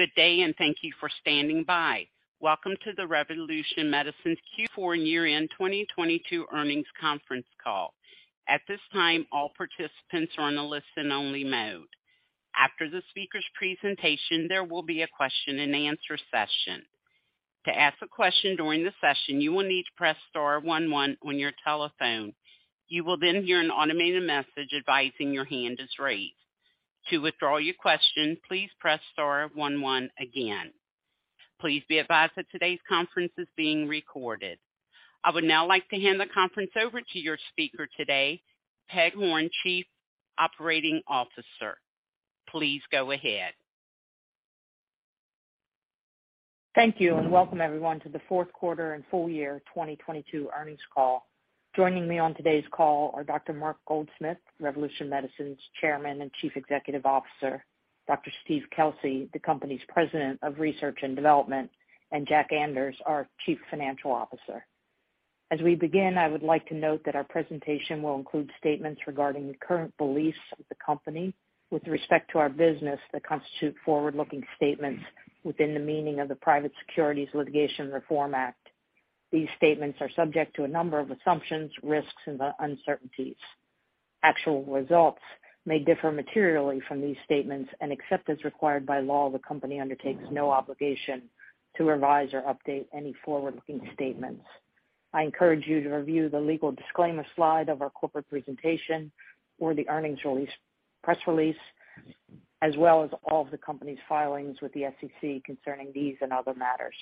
Good day, thank you for standing by. Welcome to the Revolution Medicines Q4 and year-end 2022 earnings conference call. At this time, all participants are on a listen-only mode. After the speaker's presentation, there will be a question-and-answer session. To ask a question during the session, you will need to press star 11 on your telephone. You will then hear an automated message advising your hand is raised. To withdraw your question, please press star 11 again. Please be advised that today's conference is being recorded. I would now like to hand the conference over to your speaker today, Peg Horn, Chief Operating Officer. Please go ahead. Thank you. Welcome everyone to the fourth quarter and full year 2022 earnings call. Joining me on today's call are Dr. Mark Goldsmith, Revolution Medicines Chairman and Chief Executive Officer, Dr. Steve Kelsey, the company's President of Research and Development, and Jack Anders, our Chief Financial Officer. As we begin, I would like to note that our presentation will include statements regarding the current beliefs of the company with respect to our business that constitute forward-looking statements within the meaning of the Private Securities Litigation Reform Act. These statements are subject to a number of assumptions, risks, and uncertainties. Actual results may differ materially from these statements, and except as required by law, the company undertakes no obligation to revise or update any forward-looking statements. I encourage you to review the legal disclaimer slide of our corporate presentation or the press release, as well as all of the company's filings with the SEC concerning these and other matters.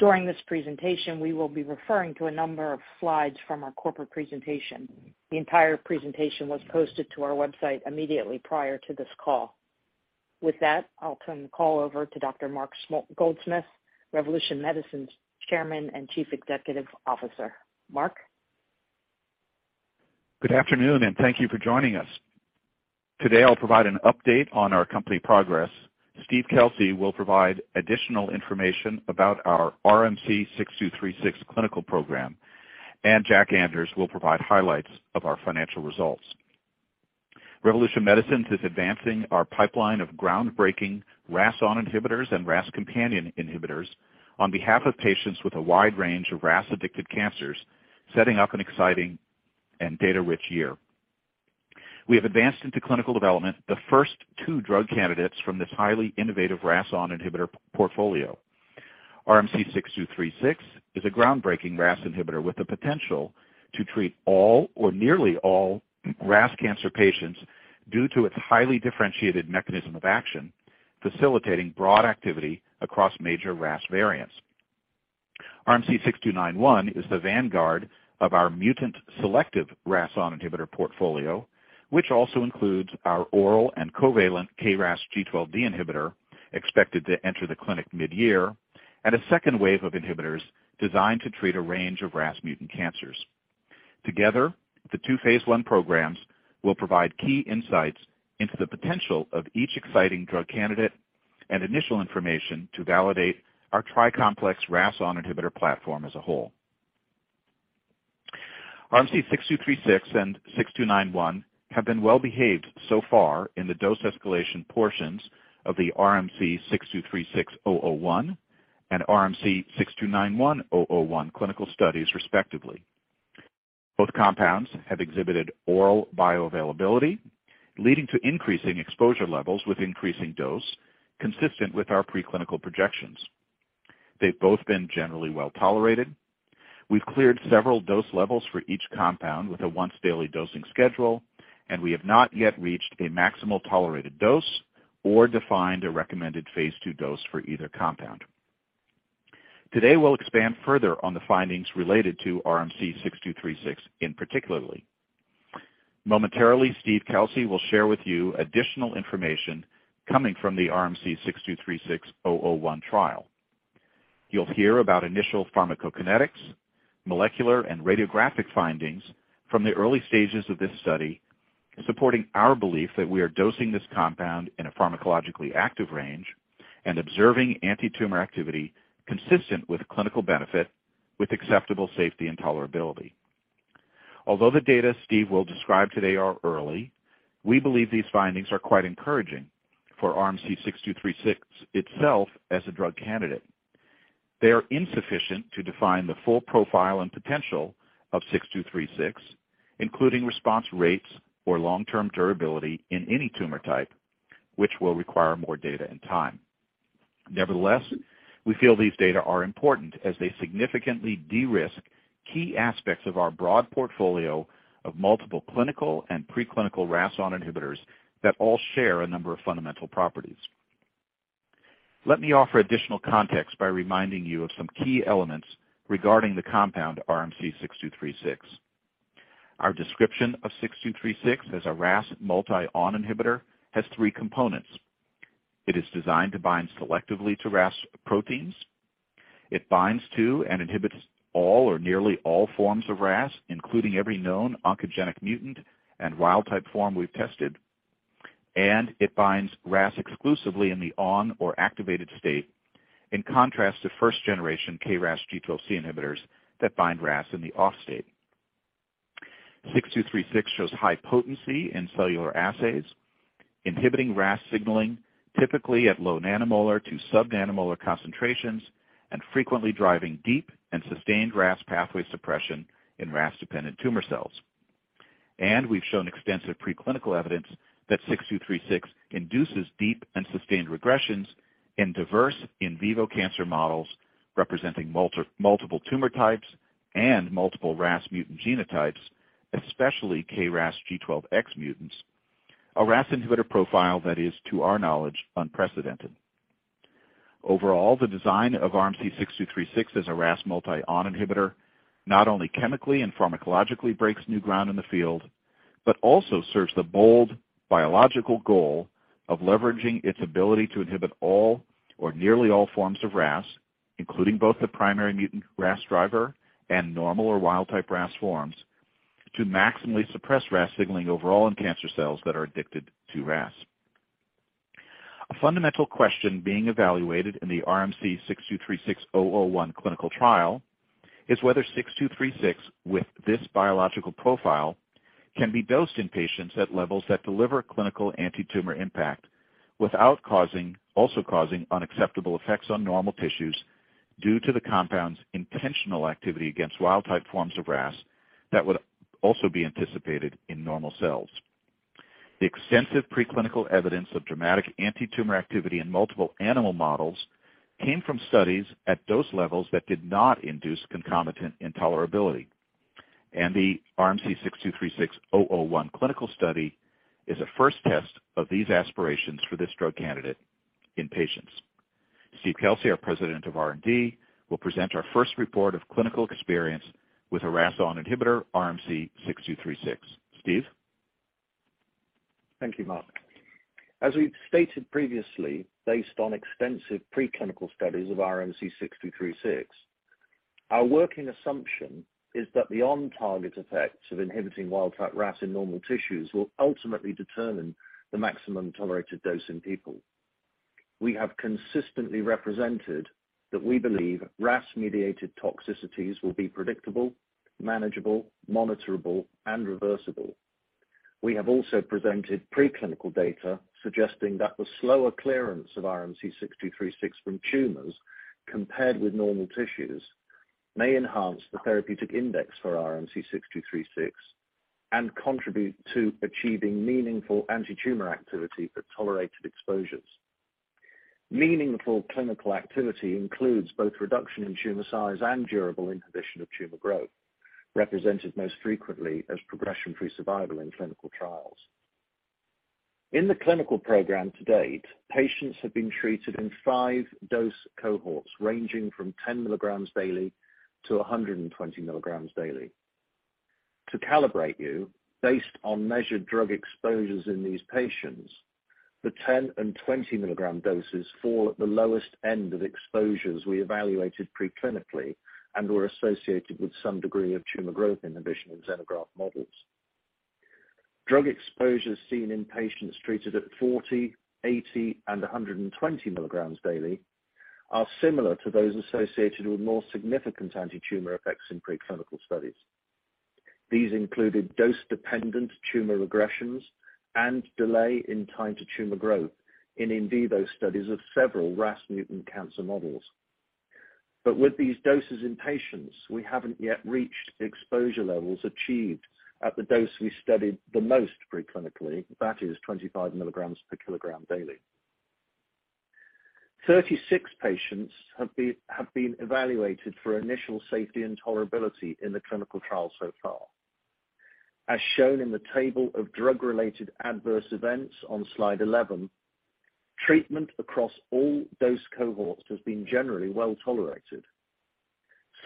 During this presentation, we will be referring to a number of slides from our corporate presentation. The entire presentation was posted to our website immediately prior to this call. With that, I'll turn the call over to Dr. Mark Goldsmith, Revolution Medicines Chairman and Chief Executive Officer. Mark. Good afternoon, and thank you for joining us. Today, I'll provide an update on our company progress. Steve Kelsey will provide additional information about our RMC-6236 clinical program, and Jack Anders will provide highlights of our financial results. Revolution Medicines is advancing our pipeline of groundbreaking RAS(ON) inhibitors and RAS Companion Inhibitors on behalf of patients with a wide range of RAS-addicted cancers, setting up an exciting and data-rich year. We have advanced into clinical development the first 2 drug candidates from this highly innovative RAS(ON) inhibitor portfolio. RMC-6236 is a groundbreaking RAS inhibitor with the potential to treat all or nearly all RAS cancer patients due to its highly differentiated mechanism of action, facilitating broad activity across major RAS variants. RMC-6291 is the vanguard of our mutant-selective RAS(ON) inhibitor portfolio, which also includes our oral and covalent KRAS G12D inhibitor, expected to enter the clinic mid-year, and a second wave of inhibitors designed to treat a range of RAS mutant cancers. Together, the 2 phase 1 programs will provide key insights into the potential of each exciting drug candidate and initial information to validate our tri-complex RAS(ON) inhibitor platform as a whole. RMC-6236 and 6291 have been well-behaved so far in the dose escalation portions of the RMC-6236-001 and RMC-6291-001 clinical studies respectively. Both compounds have exhibited oral bioavailability, leading to increasing exposure levels with increasing dose, consistent with our preclinical projections. They've both been generally well-tolerated. We've cleared several dose levels for each compound with a once-daily dosing schedule. We have not yet reached a maximal tolerated dose or defined a recommended phase 2 dose for either compound. Today, we'll expand further on the findings related to RMC-6236 in particular. Momentarily, Steve Kelsey will share with you additional information coming from the RMC-6236-001 trial. You'll hear about initial pharmacokinetics, molecular and radiographic findings from the early stages of this study, supporting our belief that we are dosing this compound in a pharmacologically active range and observing antitumor activity consistent with clinical benefit with acceptable safety and tolerability. Although the data Steve will describe today are early, we believe these findings are quite encouraging for RMC-6236 itself as a drug candidate. They are insufficient to define the full profile and potential of RMC-6236, including response rates or long-term durability in any tumor type, which will require more data and time. Nevertheless, we feel these data are important as they significantly de-risk key aspects of our broad portfolio of multiple clinical and preclinical RAS(ON) inhibitors that all share a number of fundamental properties. Let me offer additional context by reminding you of some key elements regarding the compound RMC-6236. Our description of RMC-6236 as a RAS(ON) multi-selective inhibitor has three components. It is designed to bind selectively to RAS proteins. It binds to and inhibits all or nearly all forms of RAS, including every known oncogenic mutant and wild-type form we've tested. It binds RAS exclusively in the on or activated state, in contrast to first generation KRAS G12C inhibitors that bind RAS in the off state. 6236 shows high potency in cellular assays, inhibiting RAS signaling, typically at low nanomolar to subnanomolar concentrations and frequently driving deep and sustained RAS pathway suppression in RAS-dependent tumor cells. We've shown extensive preclinical evidence that 6236 induces deep and sustained regressions in diverse in vivo cancer models representing multiple tumor types and multiple RAS mutant genotypes, especially KRAS G12X mutants, a RAS inhibitor profile that is, to our knowledge, unprecedented. Overall, the design of RMC-6236 as a RAS multi-on inhibitor not only chemically and pharmacologically breaks new ground in the field, but also serves the bold biological goal of leveraging its ability to inhibit all or nearly all forms of RAS, including both the primary mutant RAS driver and normal or wild-type RAS forms, to maximally suppress RAS signaling overall in cancer cells that are addicted to RAS. A fundamental question being evaluated in the RMC-6236-001 clinical trial is whether 6236, with this biological profile, can be dosed in patients at levels that deliver clinical antitumor impact without also causing unacceptable effects on normal tissues due to the compound's intentional activity against wild-type forms of RAS that would also be anticipated in normal cells. The extensive preclinical evidence of dramatic antitumor activity in multiple animal models came from studies at dose levels that did not induce concomitant intolerability. The RMC-6236-001 clinical trial study is a first test of these aspirations for this drug candidate in patients. Steve Kelsey, our President of R&D, will present our first report of clinical experience with a RAS(ON) inhibitor RMC-6236. Steve? Thank you, Mark. As we've stated previously, based on extensive preclinical studies of RMC-6236, our working assumption is that the on-target effects of inhibiting wild-type RAS in normal tissues will ultimately determine the maximum tolerated dose in people. We have consistently represented that we believe RAS-mediated toxicities will be predictable, manageable, monitorable, and reversible. We have also presented preclinical data suggesting that the slower clearance of RMC-6236 from tumors compared with normal tissues may enhance the therapeutic index for RMC-6236 and contribute to achieving meaningful antitumor activity for tolerated exposures. Meaningful clinical activity includes both reduction in tumor size and durable inhibition of tumor growth, represented most frequently as progression-free survival in clinical trials. In the clinical program to date, patients have been treated in 5 dose cohorts ranging from 10 mg daily to 120 mg daily. To calibrate you, based on measured drug exposures in these patients, the 10 and 20 mg doses fall at the lowest end of exposures we evaluated preclinically and were associated with some degree of tumor growth inhibition in xenograft models. Drug exposures seen in patients treated at 40, 80, and 120 mg daily are similar to those associated with more significant antitumor effects in preclinical studies. These included dose-dependent tumor regressions and delay in time to tumor growth in in vivo studies of several RAS mutant cancer models. With these doses in patients, we haven't yet reached exposure levels achieved at the dose we studied the most preclinically. That is 25 mg per kilogram daily. 36 patients have been evaluated for initial safety and tolerability in the clinical trial so far. As shown in the table of drug-related adverse events on slide 11, treatment across all dose cohorts has been generally well-tolerated.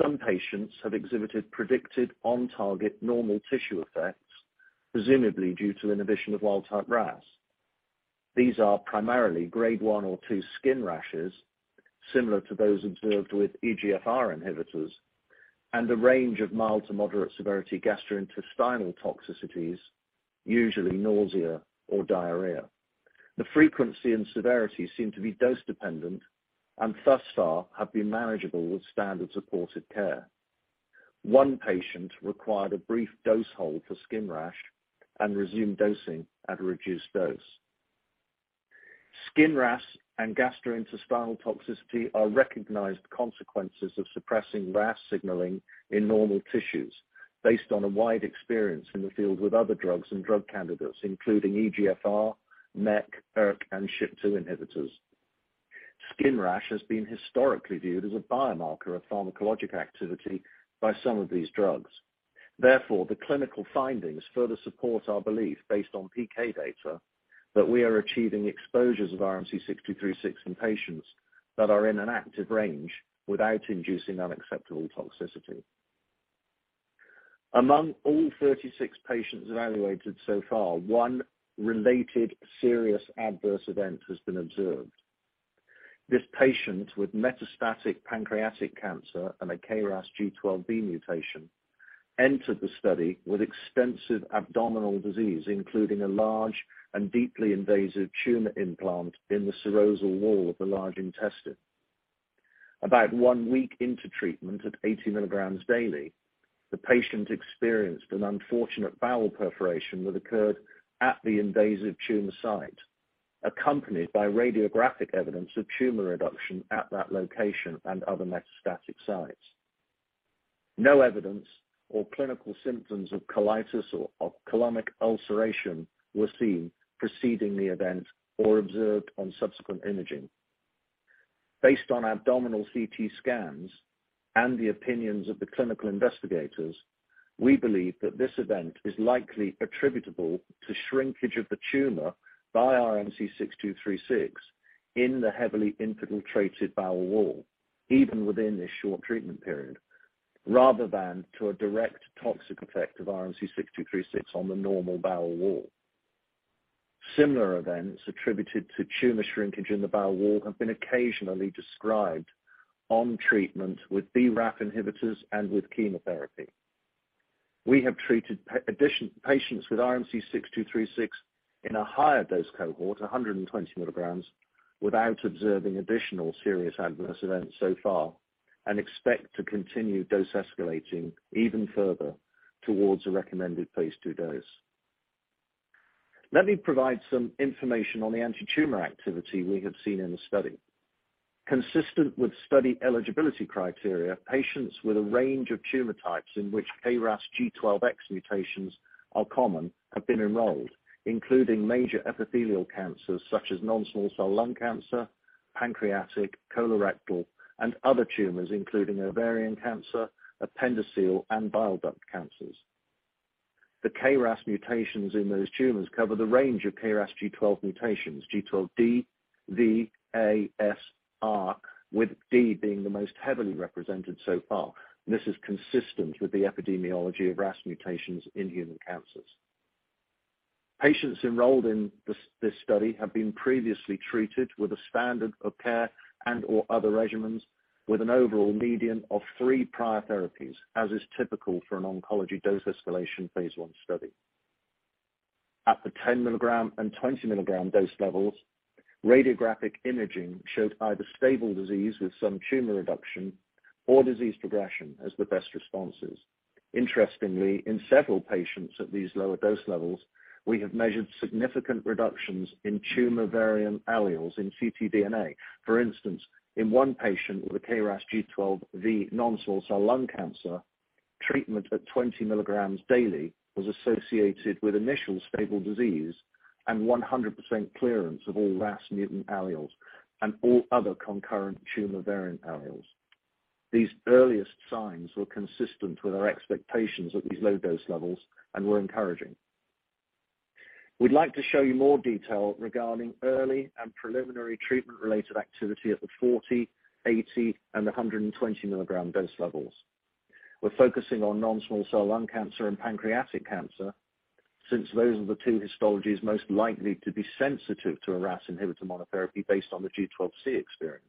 Some patients have exhibited predicted on-target normal tissue effects, presumably due to inhibition of wild-type RAS. These are primarily Grade 1 or 2 skin rashes similar to those observed with EGFR inhibitors and a range of mild to moderate severity gastrointestinal toxicities, usually nausea or diarrhea. The frequency and severity seem to be dose-dependent and thus far have been manageable with standard supportive care. 1 patient required a brief dose hold for skin rash and resumed dosing at a reduced dose. Skin rash and gastrointestinal toxicity are recognized consequences of suppressing RAS signaling in normal tissues based on a wide experience in the field with other drugs and drug candidates, including EGFR, MEK, ERK, and SHP-2 inhibitors. Skin rash has been historically viewed as a biomarker of pharmacologic activity by some of these drugs. The clinical findings further support our belief based on PK data that we are achieving exposures of RMC-6236 in patients that are in an active range without inducing unacceptable toxicity. Among all 36 patients evaluated so far, 1 related serious adverse event has been observed. This patient with metastatic pancreatic cancer and a KRAS G12V mutation entered the study with extensive abdominal disease, including a large and deeply invasive tumor implant in the serosal wall of the large intestine. About 1 week into treatment at 80 milligrams daily, the patient experienced an unfortunate bowel perforation that occurred at the invasive tumor site, accompanied by radiographic evidence of tumor reduction at that location and other metastatic sites. No evidence or clinical symptoms of colitis or colonic ulceration were seen preceding the event or observed on subsequent imaging. Based on abdominal CT scans and the opinions of the clinical investigators, we believe that this event is likely attributable to shrinkage of the tumor by RMC-6236 in the heavily infiltrated bowel wall, even within this short treatment period, rather than to a direct toxic effect of RMC-6236 on the normal bowel wall. Similar events attributed to tumor shrinkage in the bowel wall have been occasionally described on treatment with BRAF inhibitors and with chemotherapy. We have treated patients with RMC-6236 in a higher dose cohort, 120 milligrams, without observing additional serious adverse events so far and expect to continue dose escalating even further towards a recommended phase 2 dose. Let me provide some information on the antitumor activity we have seen in the study. Consistent with study eligibility criteria, patients with a range of tumor types in which KRAS G12X mutations are common have been enrolled, including major epithelial cancers such as non-small cell lung cancer, pancreatic, colorectal, and other tumors including ovarian cancer, appendiceal, and bile duct cancers. The KRAS mutations in those tumors cover the range of KRAS G12 mutations, G12D, V, A, S, R, with D being the most heavily represented so far. This is consistent with the epidemiology of RAS mutations in human cancers. Patients enrolled in this study have been previously treated with a standard of care and or other regimens with an overall median of 3 prior therapies, as is typical for an oncology dose escalation phase 1 study. At the 10-milligram and 20-milligram dose levels, radiographic imaging showed either stable disease with some tumor reduction or disease progression as the best responses. Interestingly, in several patients at these lower dose levels, we have measured significant reductions in tumor variant alleles in ctDNA. For instance, in 1 patient with a KRAS G12V non-small cell lung cancer, treatment at 20 milligrams daily was associated with initial stable disease and 100% clearance of all RAS mutant alleles and all other concurrent tumor variant alleles. These earliest signs were consistent with our expectations at these low dose levels and were encouraging. We'd like to show you more detail regarding early and preliminary treatment-related activity at the 40 mg, 80 mg, and 120 mg dose levels. We're focusing on non-small cell lung cancer and pancreatic cancer since those are the two histologies most likely to be sensitive to a RAS inhibitor monotherapy based on the G12C experience.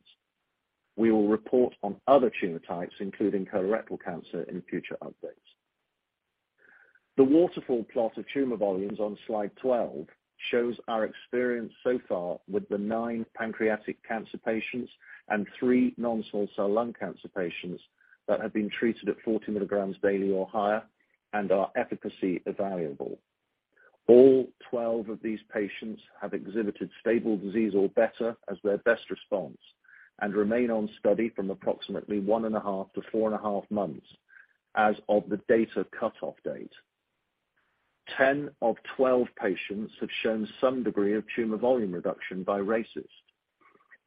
We will report on other tumor types, including colorectal cancer, in future updates. The waterfall plot of tumor volumes on slide 12 shows our experience so far with the 9 pancreatic cancer patients and 3 non-small cell lung cancer patients that have been treated at 40 mg daily or higher and are efficacy evaluable. All 12 of these patients have exhibited stable disease or better as their best response and remain on study from approximately 1.5-4.5 months as of the data cutoff date. 10 of 12 patients have shown some degree of tumor volume reduction by RECIST.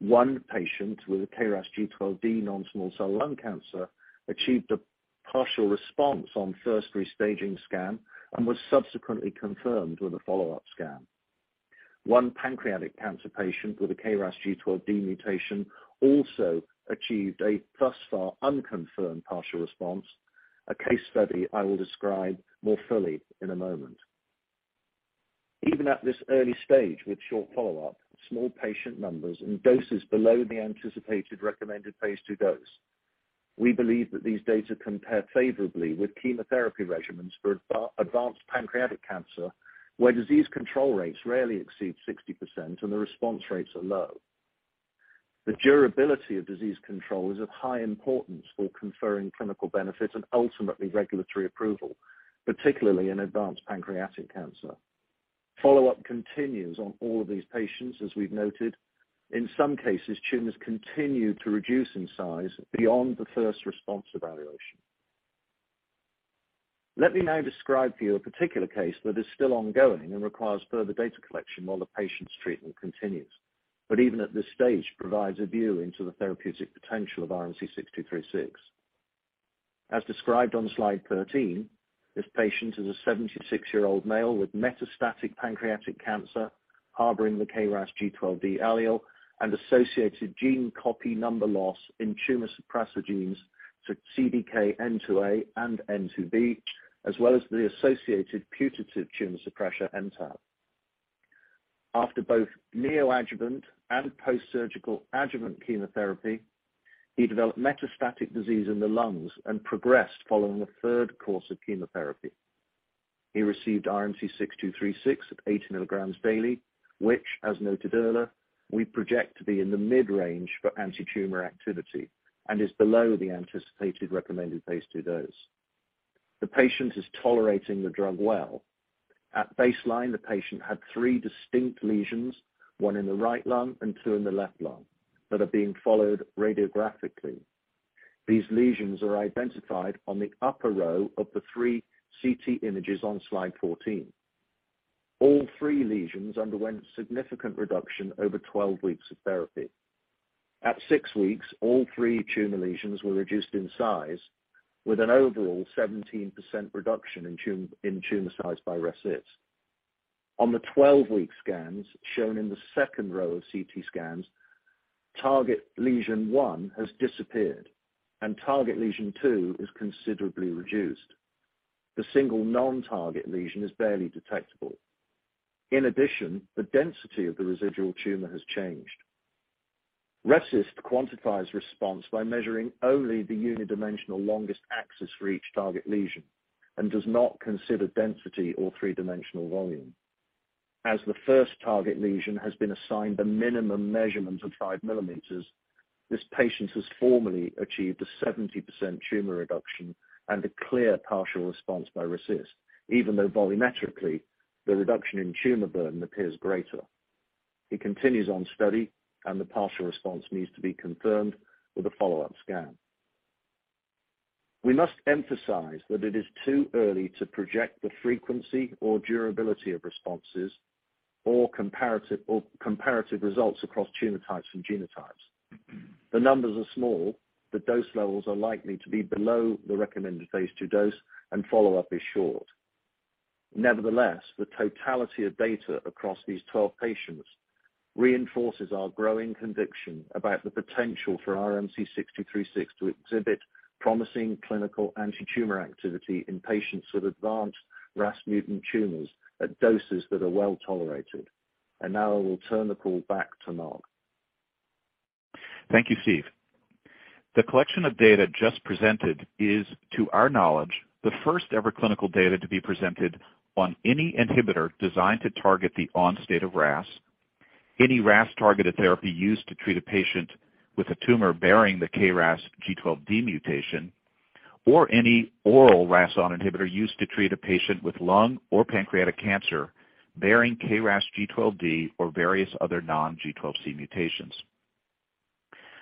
1 patient with a KRAS G12V non-small cell lung cancer achieved a partial response on first restaging scan and was subsequently confirmed with a follow-up scan. 1 pancreatic cancer patient with a KRAS G12V mutation also achieved a thus far unconfirmed partial response, a case study I will describe more fully in a moment. Even at this early stage with short follow-up, small patient numbers and doses below the anticipated recommended phase 2 dose, we believe that these data compare favorably with chemotherapy regimens for advanced pancreatic cancer, where disease control rates rarely exceed 60% and the response rates are low. The durability of disease control is of high importance for conferring clinical benefit and ultimately regulatory approval, particularly in advanced pancreatic cancer. Follow-up continues on all of these patients, as we've noted. In some cases, tumors continue to reduce in size beyond the first response evaluation. Let me now describe to you a particular case that is still ongoing and requires further data collection while the patient's treatment continues, but even at this stage provides a view into the therapeutic potential of RMC-6236. As described on slide 13, this patient is a 76-year-old male with metastatic pancreatic cancer harboring the KRAS G12V allele and associated gene copy number loss in tumor suppressor genes to CDKN2A and CDKN2B, as well as the associated putative tumor suppressor MTAP. After both neoadjuvant and post-surgical adjuvant chemotherapy, he developed metastatic disease in the lungs and progressed following a third course of chemotherapy. He received RMC-Six Two Three Six at 80 milligrams daily, which as noted earlier, we project to be in the mid-range for antitumor activity and is below the anticipated recommended phase 2 dose. The patient is tolerating the drug well. At baseline, the patient had three distinct lesions, one in the right lung and two in the left lung, that are being followed radiographically. These lesions are identified on the upper row of the three CT images on slide 14. All three lesions underwent significant reduction over 12 weeks of therapy. At six weeks, all three tumor lesions were reduced in size with an overall 17% reduction in tumor size by RECIST. On the 12-week scans shown in the second row of CT scans, target lesion one has disappeared and target lesion two is considerably reduced. The single non-target lesion is barely detectable. In addition, the density of the residual tumor has changed. RECIST quantifies response by measuring only the unidimensional longest axis for each target lesion and does not consider density or three-dimensional volume. As the first target lesion has been assigned a minimum measurement of 5 millimeters, this patient has formally achieved a 70% tumor reduction and a clear partial response by RECIST even though volumetrically, the reduction in tumor burden appears greater. He continues on study and the partial response needs to be confirmed with a follow-up scan. We must emphasize that it is too early to project the frequency or durability of responses or comparative results across tumor types and genotypes. The numbers are small, the dose levels are likely to be below the recommended phase 2 dose, and follow-up is short. Nevertheless, the totality of data across these 12 patients reinforces our growing conviction about the potential for RMC-6236 to exhibit promising clinical antitumor activity in patients with advanced RAS mutant tumors at doses that are well-tolerated. Now I will turn the call back to Mark. Thank you, Steve. The collection of data just presented is, to our knowledge, the first-ever clinical data to be presented on any inhibitor designed to target the on state of RAS, any RAS-targeted therapy used to treat a patient with a tumor bearing the KRAS G12D mutation, or any oral RAS(ON) inhibitor used to treat a patient with lung or pancreatic cancer bearing KRAS G12D or various other non-G12C mutations.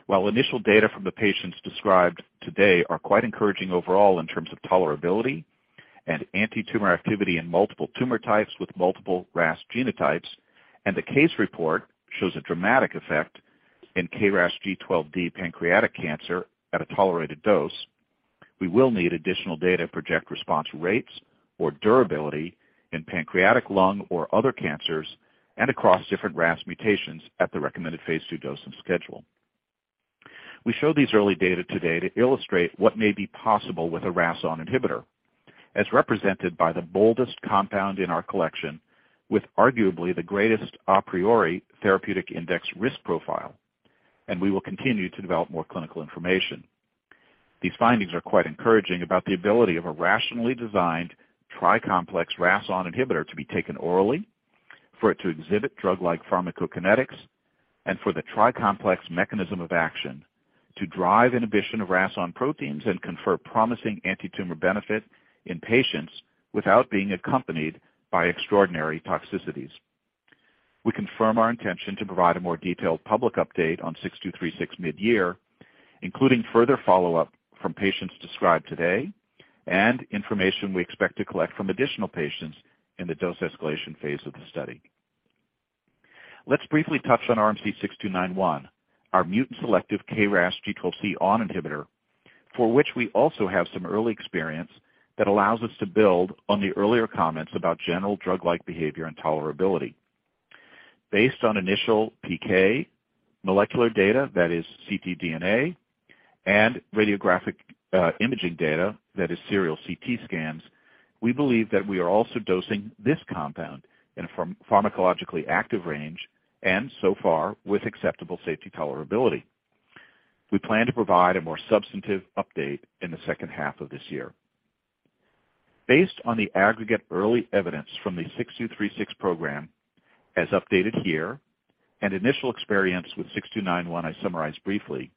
While initial data from the patients described today are quite encouraging overall in terms of tolerability and antitumor activity in multiple tumor types with multiple RAS genotypes, and the case report shows a dramatic effect in KRAS G12D pancreatic cancer at a tolerated dose, we will need additional data to project response rates or durability in pancreatic lung or other cancers and across different RAS mutations at the recommended phase 2 dose and schedule. We show these early data today to illustrate what may be possible with a RAS(ON) inhibitor, as represented by the boldest compound in our collection with arguably the greatest a priori therapeutic index risk profile, and we will continue to develop more clinical information. These findings are quite encouraging about the ability of a rationally designed tri-complex RAS(ON) inhibitor to be taken orally, for it to exhibit drug-like pharmacokinetics, and for the tri-complex mechanism of action to drive inhibition of RAS(ON) proteins and confer promising antitumor benefit in patients without being accompanied by extraordinary toxicities. We confirm our intention to provide a more detailed public update on RMC-6236 mid-year, including further follow-up from patients described today and information we expect to collect from additional patients in the dose escalation phase of the study. Let's briefly touch on RMC-6291, our mutant selective KRAS G12C(ON) inhibitor for which we also have some early experience that allows us to build on the earlier comments about general drug-like behavior and tolerability. Based on initial PK molecular data, that is ctDNA, and radiographic imaging data, that is serial CT scans, we believe that we are also dosing this compound in a pharmacologically active range and so far with acceptable safety tolerability. We plan to provide a more substantive update in the second half of this year. Based on the aggregate early evidence from the RMC-6236 program as updated here and initial experience with RMC-6291 I summarized briefly,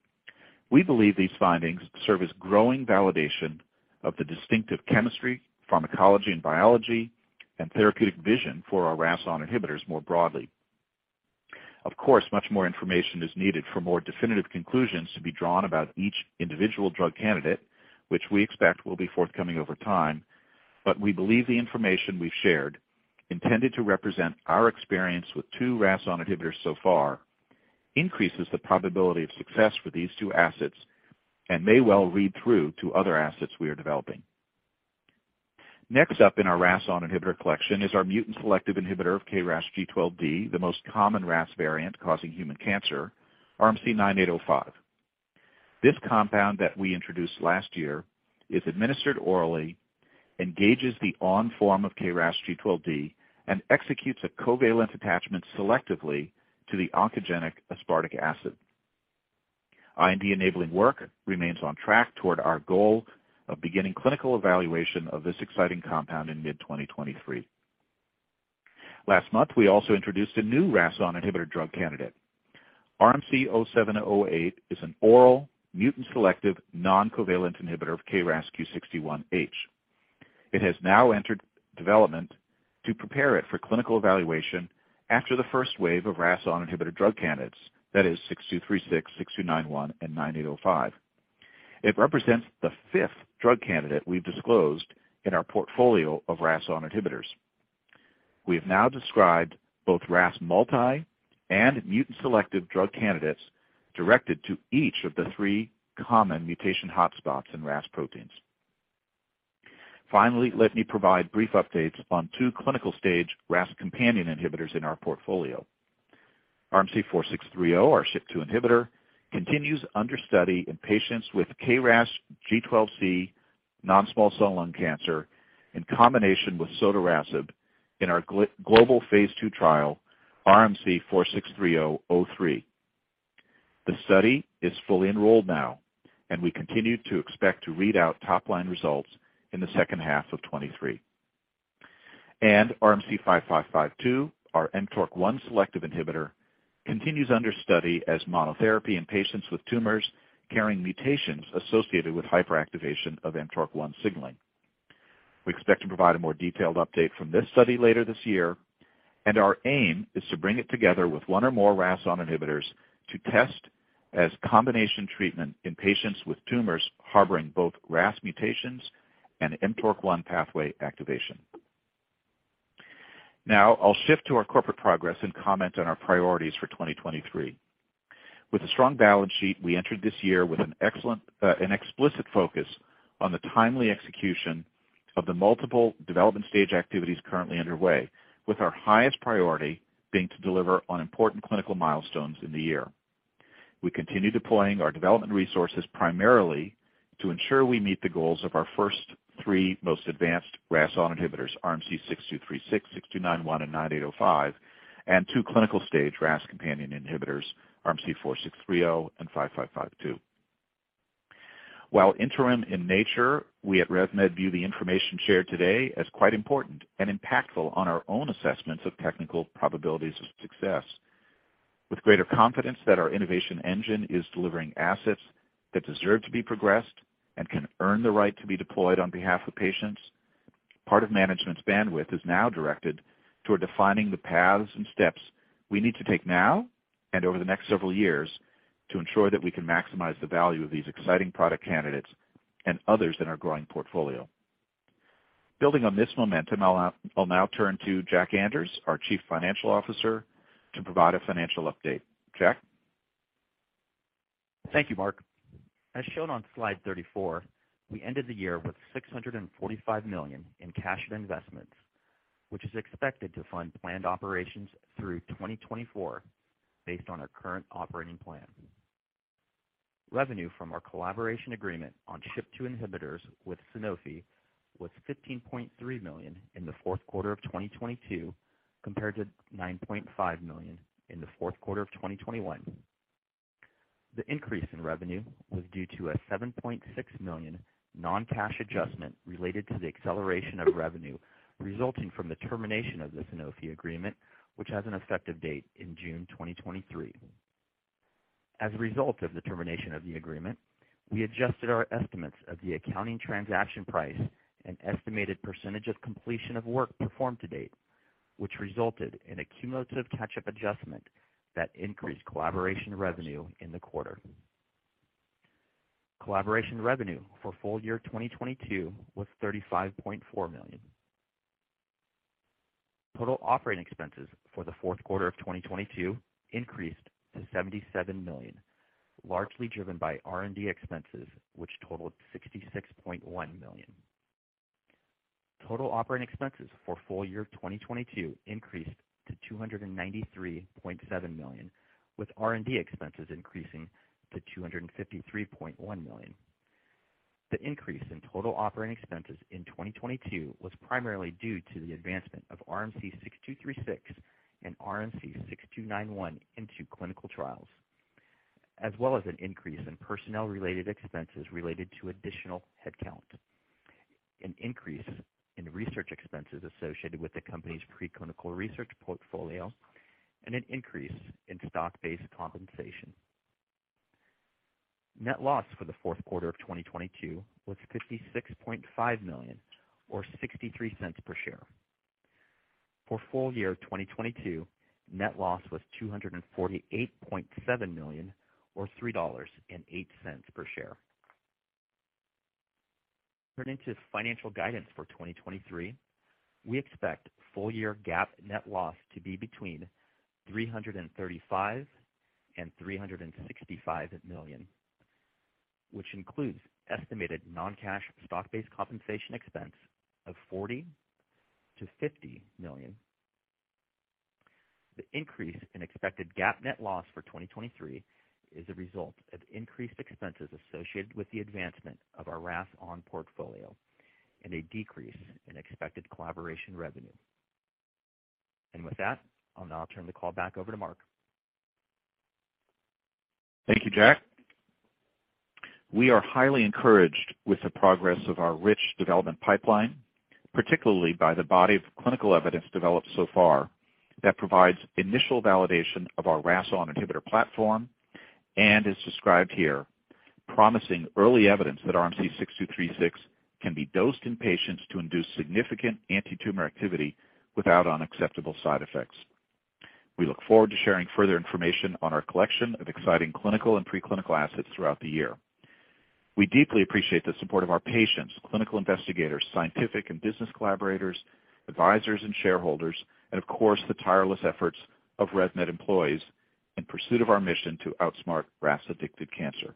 we believe these findings serve as growing validation of the distinctive chemistry, pharmacology and biology and therapeutic vision for our RAS(ON) inhibitors more broadly. Much more information is needed for more definitive conclusions to be drawn about each individual drug candidate, which we expect will be forthcoming over time. We believe the information we've shared, intended to represent our experience with 2 RAS(ON) inhibitors so far, increases the probability of success for these 2 assets and may well read through to other assets we are developing. Next up in our RAS(ON) inhibitor collection is our mutant selective inhibitor of KRAS G12D, the most common RAS variant causing human cancer, RMC-9805. This compound that we introduced last year is administered orally, engages the on form of KRAS G12D, and executes a covalent attachment selectively to the oncogenic aspartic acid. IND enabling work remains on track toward our goal of beginning clinical evaluation of this exciting compound in mid-2023. Last month, we also introduced a new RAS(ON) inhibitor drug candidate. RMC-0708 is an oral mutant selective non-covalent inhibitor of KRAS Q61H. It has now entered development to prepare it for clinical evaluation after the first wave of RAS(ON) inhibitor drug candidates, that is RMC-6236, RMC-6291, and RMC-9805. It represents the fifth drug candidate we've disclosed in our portfolio of RAS(ON) inhibitors. We have now described both RAS multi and mutant selective drug candidates directed to each of the three common mutation hotspots in RAS proteins. Finally, let me provide brief updates on two clinical stage RAS Companion Inhibitors in our portfolio. RMC-4630, our SHP-2 inhibitor, continues under study in patients with KRAS G12C non-small cell lung cancer in combination with sotorasib in our global Phase 2 trial RMC-4630-03. The study is fully enrolled now, and we continue to expect to read out top-line results in the second half of 2023. RMC-5552, our mTORC1 selective inhibitor, continues under study as monotherapy in patients with tumors carrying mutations associated with hyperactivation of mTORC1 signaling. We expect to provide a more detailed update from this study later this year, and our aim is to bring it together with one or more RAS(ON) inhibitors to test as combination treatment in patients with tumors harboring both RAS mutations and mTORC1 pathway activation. Now I'll shift to our corporate progress and comment on our priorities for 2023. With a strong balance sheet, we entered this year with an explicit focus on the timely execution of the multiple development stage activities currently underway, with our highest priority being to deliver on important clinical milestones in the year. We continue deploying our development resources primarily to ensure we meet the goals of our first three most advanced RAS(ON) inhibitors, RMC-6236, 6291, and 9805, and two clinical stage RAS Companion Inhibitors, RMC-4630 and 5552. While interim in nature, we at Revolution Medicines view the information shared today as quite important and impactful on our own assessments of technical probabilities of success. With greater confidence that our innovation engine is delivering assets that deserve to be progressed and can earn the right to be deployed on behalf of patients, part of management's bandwidth is now directed toward defining the paths and steps we need to take now and over the next several years to ensure that we can maximize the value of these exciting product candidates and others in our growing portfolio. Building on this momentum, I'll now turn to Jack Anders, our Chief Financial Officer, to provide a financial update. Jack? Thank you, Mark. As shown on slide 34, we ended the year with $645 million in cash and investments, which is expected to fund planned operations through 2024 based on our current operating plan. Revenue from our collaboration agreement on SHP-2 inhibitors with Sanofi was $15.3 million in the 4th quarter of 2022, compared to $9.5 million in the 4th quarter of 2021. The increase in revenue was due to a $7.6 million non-cash adjustment related to the acceleration of revenue resulting from the termination of the Sanofi agreement, which has an effective date in June 2023. As a result of the termination of the agreement, we adjusted our estimates of the accounting transaction price and estimated percentage of completion of work performed to date, which resulted in a cumulative catch-up adjustment that increased collaboration revenue in the quarter. Collaboration revenue for full year 2022 was $35.4 million. Total operating expenses for the fourth quarter of 2022 increased to $77 million, largely driven by R&D expenses, which totaled $66.1 million. Total operating expenses for full year 2022 increased to $293.7 million, with R&D expenses increasing to $253.1 million. The increase in total operating expenses in 2022 was primarily due to the advancement of RMC-6236 and RMC-6291 into clinical trials, as well as an increase in personnel-related expenses related to additional headcount, an increase in research expenses associated with the company's preclinical research portfolio, and an increase in stock-based compensation. Net loss for the fourth quarter of 2022 was $56.5 million or $0.63 per share. For full year 2022, net loss was $248.7 million or $3.08 per share. Turning to financial guidance for 2023, we expect full year GAAP net loss to be between $335 million and $365 million, which includes estimated non-cash stock-based compensation expense of $40 million-$50 million. The increase in expected GAAP net loss for 2023 is a result of increased expenses associated with the advancement of our RAS(ON) portfolio and a decrease in expected collaboration revenue. With that, I'll now turn the call back over to Mark. Thank you, Jack. We are highly encouraged with the progress of our rich development pipeline, particularly by the body of clinical evidence developed so far that provides initial validation of our RAS(ON) inhibitor platform and is described here, promising early evidence that RMC-6236 can be dosed in patients to induce significant antitumor activity without unacceptable side effects. We look forward to sharing further information on our collection of exciting clinical and preclinical assets throughout the year. We deeply appreciate the support of our patients, clinical investigators, scientific and business collaborators, advisors and shareholders, and of course, the tireless efforts of Revolution Medicines employees in pursuit of our mission to outsmart RAS-addicted cancer.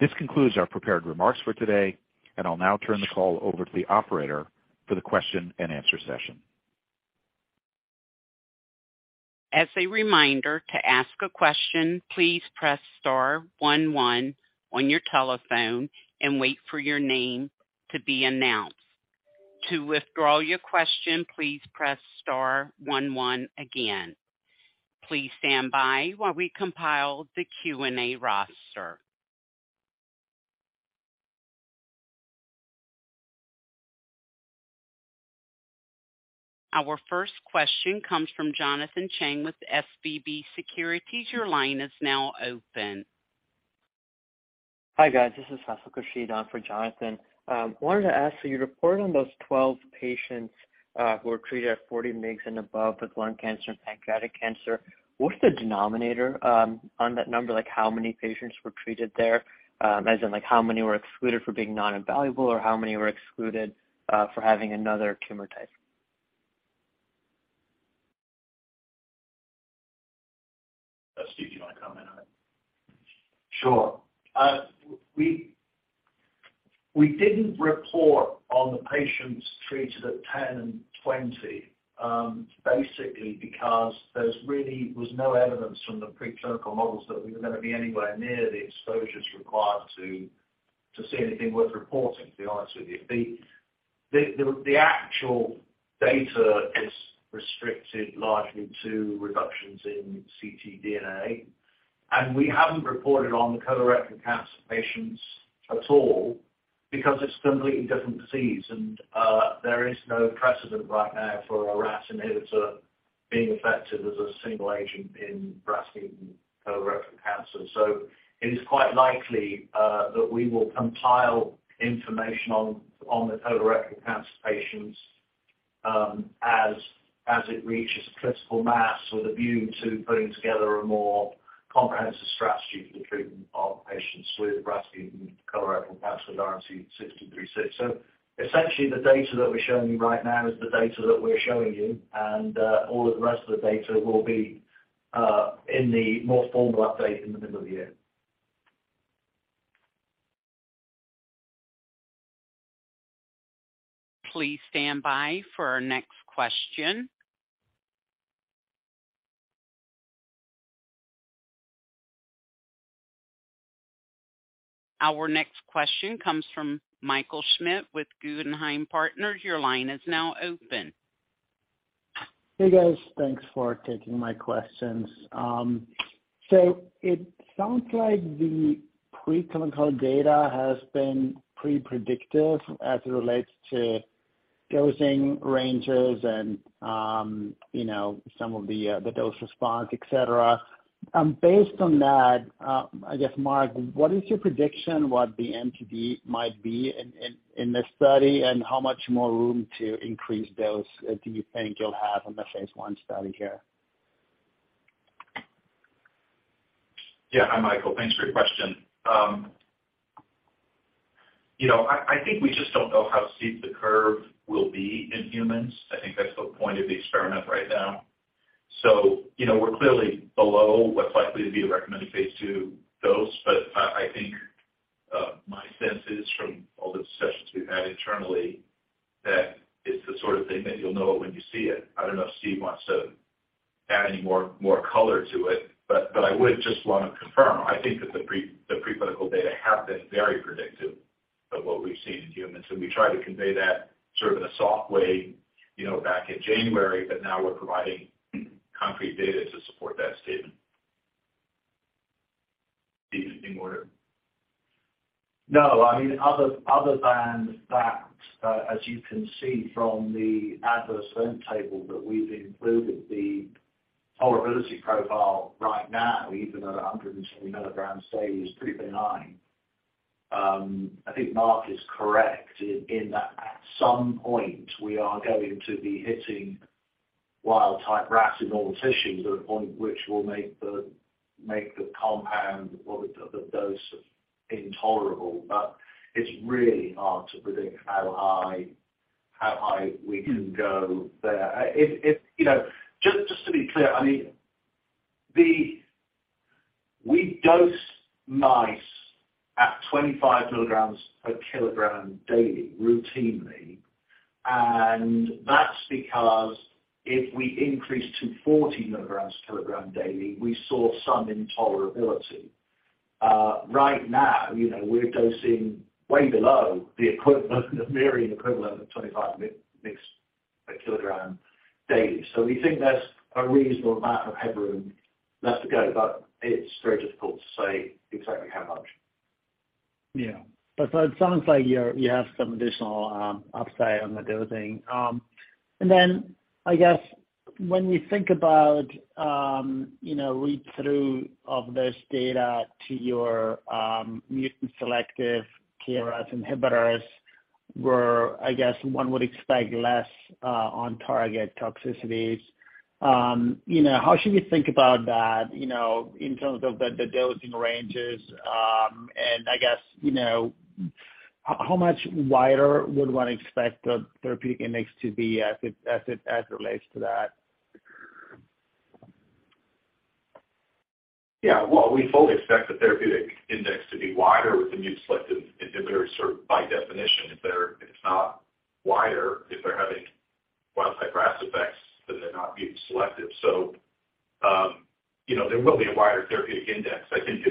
This concludes our prepared remarks for today. I'll now turn the call over to the operator for the question-and-answer session. As a reminder, to ask a question, please press star one one on your telephone and wait for your name to be announced. To withdraw your question, please press star one one again. Please stand by while we compile the Q&A roster. Our first question comes from Jonathan Chang with SVB Securities. Your line is now open. Hi, guys. This is Hasan Ahmed for Jonathan. Wanted to ask, you reported on those 12 patients, who were treated at 40 mgs and above with lung cancer and pancreatic cancer. What's the denominator on that number? Like, how many patients were treated there, as in, like, how many were excluded for being non-evaluable, or how many were excluded for having another tumor type? Steve, do you want to comment on it? Sure. We didn't report on the patients treated at 10 and 20, basically because there's really was no evidence from the preclinical models that we were gonna be anywhere near the exposures required to see anything worth reporting, to be honest with you. The actual data is restricted largely to reductions in ctDNA, and we haven't reported on the colorectal cancer patients at all because it's a completely different disease. There is no precedent right now for a RAS inhibitor being effective as a single agent in RAS mutant colorectal cancer. It is quite likely that we will compile information on the colorectal cancer patients as it reaches critical mass with a view to putting together a more comprehensive strategy for the treatment of patients with RAS mutant colorectal cancer, RMC-6236. Essentially, the data that we're showing you right now is the data that we're showing you, and all of the rest of the data will be in the more formal update in the middle of the year. Please stand by for our next question. Our next question comes from Michael Schmidt with Guggenheim Partners. Your line is now open. Hey, guys. Thanks for taking my questions. It sounds like the preclinical data has been pretty predictive as it relates to dosing ranges and, you know, some of the dose response, et cetera. Based on that, I guess, Mark, what is your prediction what the MTD might be in this study, and how much more room to increase dose, do you think you'll have on the phase one study here? Hi, Michael. Thanks for your question. You know, I think we just don't know how steep the curve will be in humans. I think that's the point of the experiment right now. You know, we're clearly below what's likely to be the recommended phase 2 dose. I think my sense is from all the discussions we've had internally, that it's the sort of thing that you'll know it when you see it. I don't know if Steve wants to add any more color to it, but I would just wanna confirm, I think that the preclinical data have been very predictive of what we've seen in humans, and we try to convey that sort of in a soft way, you know, back in January, but now we're providing concrete data to support that statement. Steve, anything to add? No. I mean, other than that, as you can see from the adverse event table that we've included, the tolerability profile right now, even at 120 milligrams daily, is pretty benign. I think Mark is correct in that at some point we are going to be hitting wild-type RAS in all tissues at a point which will make the compound or the dose intolerable. It's really hard to predict how high we can go there. You know, just to be clear, I mean, we dose mice at 25 milligrams per kilogram daily routinely, and that's because if we increase to 40 milligrams per kilogram daily, we saw some intolerability. Right now, you know, we're dosing way below the equivalent of mirin equivalent of 25 mgs per kilogram daily. We think that's a reasonable amount of headroom left to go, but it's very difficult to say exactly how much. It sounds like you have some additional upside on the dosing. I guess when we think about, you know, read-through of this data to your mutant selective KRAS inhibitors, where I guess one would expect less on target toxicities, you know, how should we think about that, you know, in terms of the dosing ranges? I guess, you know, how much wider would one expect the therapeutic index to be as it relates to that? Well, we fully expect the therapeutic index to be wider with the mutant-selective inhibitors, sort of by definition if it's not wider, if they're having well outside RAS effects, then they're not being selective. You know, there will be a wider therapeutic index. I think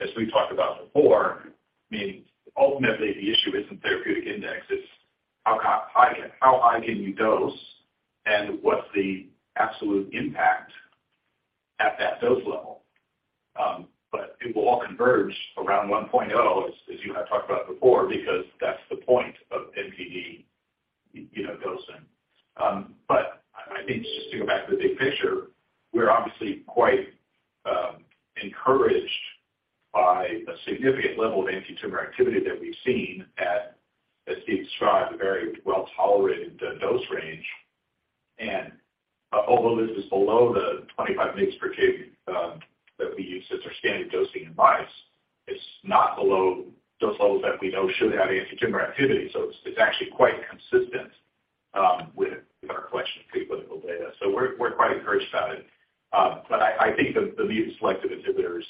as we talked about before, meaning ultimately the issue isn't therapeutic index, it's how high can you dose and what's the absolute impact at that dose level. It will all converge around 1.0, as you and I talked about before, because that's the point of MTD, you know, dosing. I think just to go back to the big picture, we're obviously quite encouraged by a significant level of antitumor activity that we've seen at, as Steve Kelsey described, a very well-tolerated dose range. Although this is below the 25 mgs per kg that we use as our standard dosing advice, it's not below dose levels that we know should have antitumor activity. It's actually quite consistent with our collection of preclinical data. We're quite encouraged about it. But I think the mutant-selective inhibitors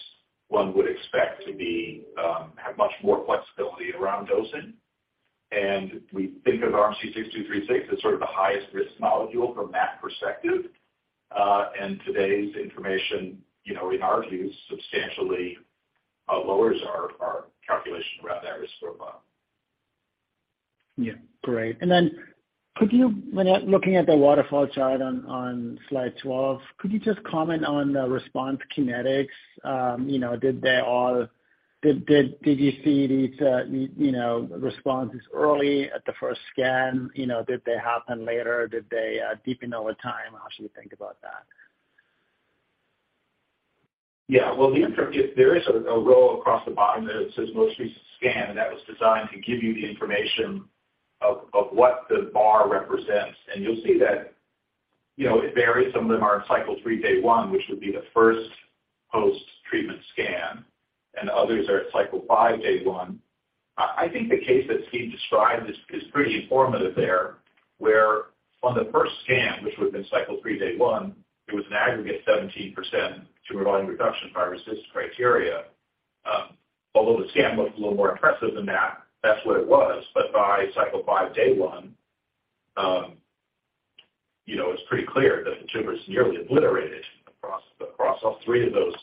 one would expect to be have much more flexibility around dosing. We think of RMC-6236 as sort of the highest risk molecule from that perspective. Today's information, you know, in our view, substantially lowers our calculation around that risk profile. Yeah. Great. could you, when you're looking at the waterfall chart on slide 12, could you just comment on the response kinetics? You know, did you see these, you know, responses early at the first scan? You know, did they happen later? Did they deepen over time? How should we think about that? Yeah. Well, there is a row across the bottom that says most recent scan, and that was designed to give you the information of what the bar represents. You'll see that, you know, it varies. Some of them are in cycle 3, day 1, which would be the first post-treatment scan, and others are at cycle 5, day 1. I think the case that Steve described is pretty informative there, where on the first scan, which would've been cycle 3, day 1, it was an aggregate 17% tumor volume reduction by RECIST criteria. Although the scan looks a little more impressive than that's what it was. By cycle 5, day 1, you know, it's pretty clear that the tumor is nearly obliterated across all 3 of those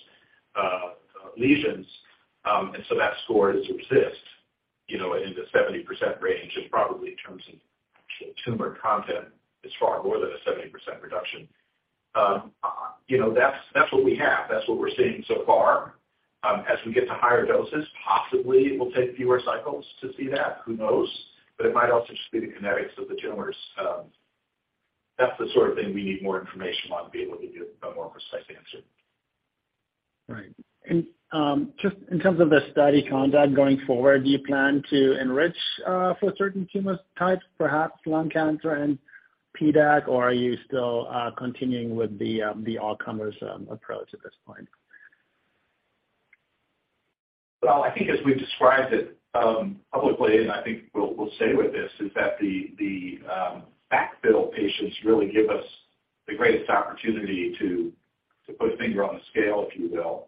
lesions. That score is RECIST, you know, in the 70% range, and probably in terms of tumor content is far more than a 70% reduction. You know, that's what we have. That's what we're seeing so far. As we get to higher doses, possibly it will take fewer cycles to see that, who knows? It might also just be the kinetics of the tumors. That's the sort of thing we need more information on to be able to give a more precise answer. Right. Just in terms of the study conduct going forward, do you plan to enrich for certain tumor types, perhaps lung cancer and PDAC, or are you still continuing with the all-comers approach at this point? Well, I think as we've described it, publicly, and I think we'll stay with this, is that the backfill patients really give us the greatest opportunity to put a finger on the scale, if you will.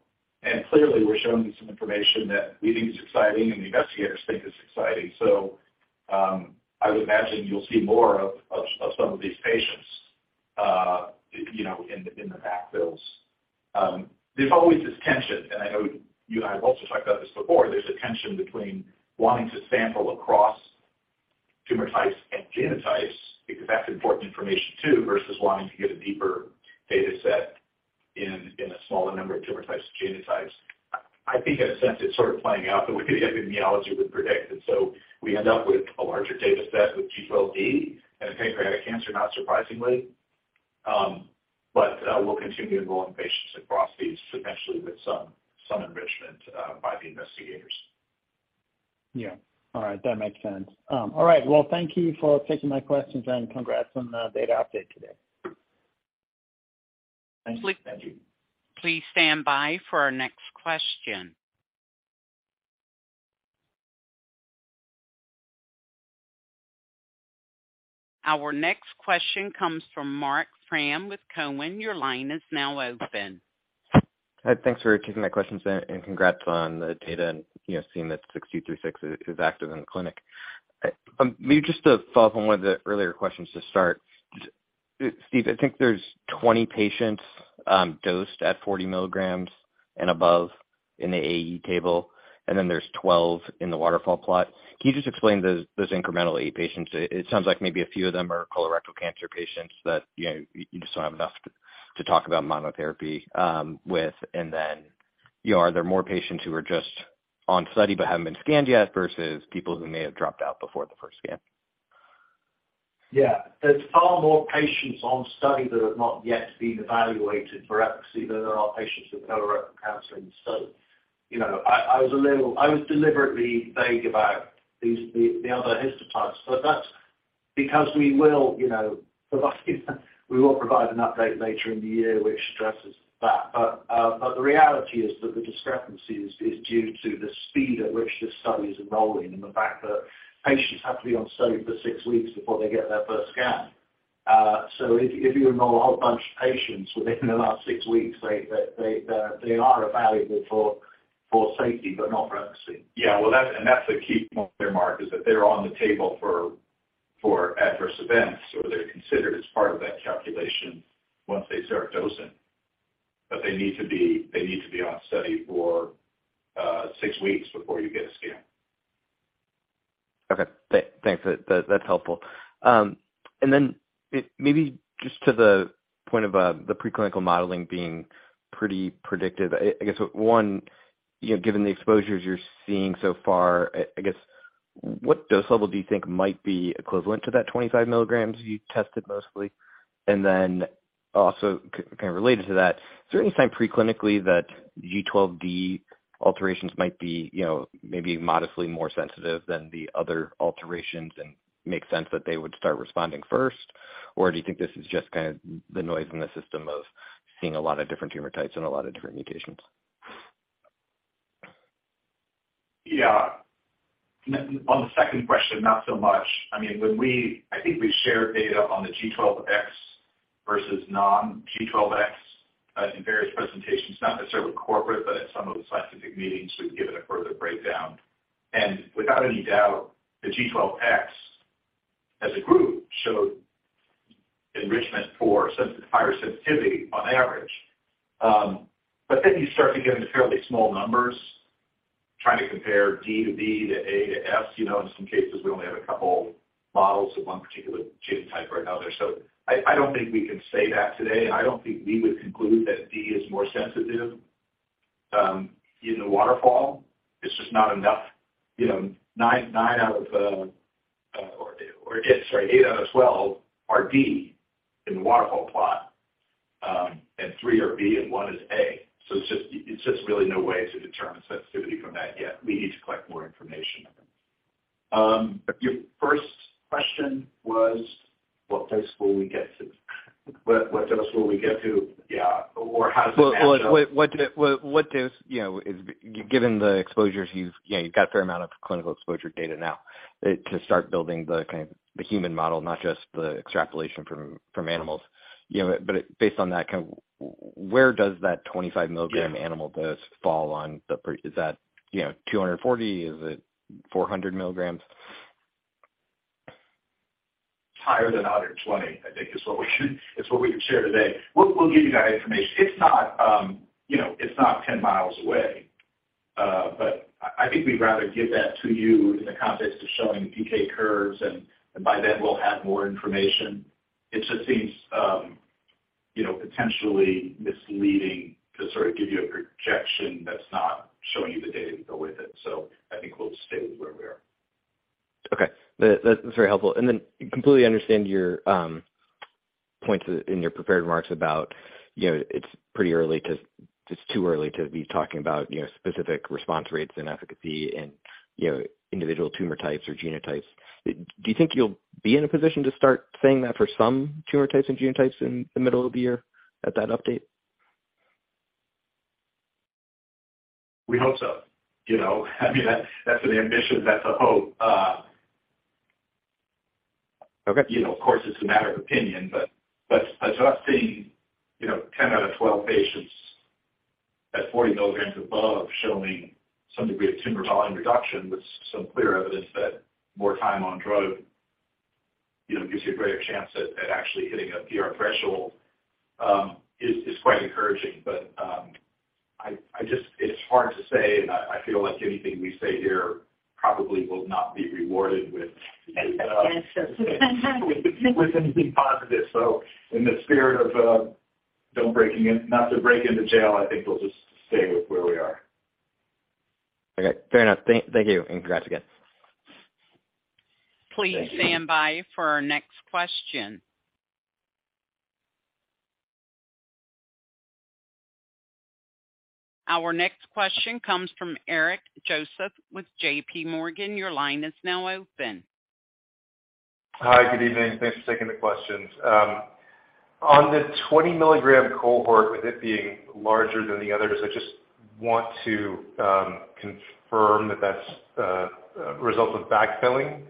Clearly we're showing you some information that we think is exciting and the investigators think is exciting. I would imagine you'll see more of some of these patients, you know, in the backfills. There's always this tension, and I know you and I have also talked about this before. There's a tension between wanting to sample across tumor types and genotypes because that's important information too, versus wanting to get a deeper data set in a smaller number of tumor types and genotypes. I think in a sense it's sort of playing out the way the epidemiology would predict. We end up with a larger data set with G12D and in pancreatic cancer, not surprisingly. We'll continue enrolling patients across these, eventually with some enrichment by the investigators. Yeah. All right. That makes sense. All right. Well, thank you for taking my questions and congrats on the data update today. Thank you. Thank you. Please stand by for our next question. Our next question comes from Marc Frahm with Cowen. Your line is now open. Hi. Thanks for taking my questions, and congrats on the data and, you know, seeing that RMC-6236 is active in the clinic. maybe just to follow up on one of the earlier questions to start. Steve, I think there's 20 patients, dosed at 40 milligrams and above in the AE table, and then there's 12 in the waterfall plot. Can you just explain those incremental AE patients? It sounds like maybe a few of them are colorectal cancer patients that, you know, you just don't have enough to talk about monotherapy with. Then, you know, are there more patients who are just on study but haven't been scanned yet versus people who may have dropped out before the first scan? Yeah. There's far more patients on study that have not yet been evaluated for efficacy than there are patients with colorectal cancer. You know, I was deliberately vague about these, the other histopaths, but that's because we will, you know, provide an update later in the year which addresses that. The reality is that the discrepancy is due to the speed at which this study is enrolling and the fact that patients have to be on study for 6 weeks before they get their first scan. If you enroll a whole bunch of patients within the last 6 weeks, they are evaluable for safety, but not for efficacy. Yeah. Well, that's the key point there, Marc, is that they're on the table for adverse events, or they're considered as part of that calculation once they start dosing. They need to be on study for 6 weeks before you get a scan. Okay. Thanks. That's helpful. Maybe just to the point of the preclinical modeling being pretty predictive. I guess, one, you know, given the exposures you're seeing so far, I guess, what dose level do you think might be equivalent to that 25 milligrams you tested mostly? Also kind of related to that, is there any sign preclinically that G12D alterations might be, you know, maybe modestly more sensitive than the other alterations and make sense that they would start responding first? Or do you think this is just kind of the noise in the system of seeing a lot of different tumor types and a lot of different mutations? On the second question, not so much. I mean, when we I think we shared data on the G12X versus non-G12X in various presentations, not necessarily corporate, but at some of the scientific meetings, we've given a further breakdown. Without any doubt, the G12X as a group showed enrichment for higher sensitivity on average. You start to get into fairly small numbers trying to compare D to B to A to S. You know, in some cases, we only have a couple models of one particular genotype or another. I don't think we can say that today. I don't think we would conclude that D is more sensitive in the waterfall. It's just not enough. You know, 9 out of or 8... 8 out of 12 are D in the waterfall plot, 3 are B and 1 is A. It's just really no way to determine sensitivity from that yet. We need to collect more information. Your first question was? What dose will we get to? What dose will we get to? Yeah. How does it match up? What dose, you know, Given the exposures you've, you know, you've got a fair amount of clinical exposure data now, to start building the human model, not just the extrapolation from animals. You know, based on that kind of, where does that 25 milligram animal dose fall on the pyra-- Is that, you know, 240? Is it 400 milligrams? Higher than 120, I think is what we should, is what we can share today. We'll give you that information. It's not, you know, it's not 10 miles away. I think we'd rather give that to you in the context of showing PK curves and by then we'll have more information. It just seems, you know, potentially misleading to sort of give you a projection that's not showing you the data to go with it. I think we'll stay with where we are. Okay. That's very helpful. Completely understand your points in your prepared remarks about, you know, it's pretty early to. It's too early to be talking about, you know, specific response rates and efficacy and, you know, individual tumor types or genotypes. Do you think you'll be in a position to start saying that for some tumor types and genotypes in the middle of the year at that update? We hope so. You know, I mean, that's an ambition, that's a hope. Okay. You know, of course, it's a matter of opinion, but just seeing, you know, 10 out of 12 patients at 40 milligrams above showing some degree of tumor volume reduction with some clear evidence that more time on drug, you know, gives you a greater chance at actually hitting a PR threshold, is quite encouraging. I just... It's hard to say, and I feel like anything we say here probably will not be rewarded with- Yes. with anything positive. In the spirit of not to break into jail, I think we'll just stay with where we are. Okay. Fair enough. Thank you and congrats again. Thank you. Please stand by for our next question. Our next question comes from Eric Joseph with J.P. Morgan. Your line is now open. Hi. Good evening. Thanks for taking the questions. On the 20-milligram cohort, with it being larger than the others, I just want to confirm that that's a result of backfilling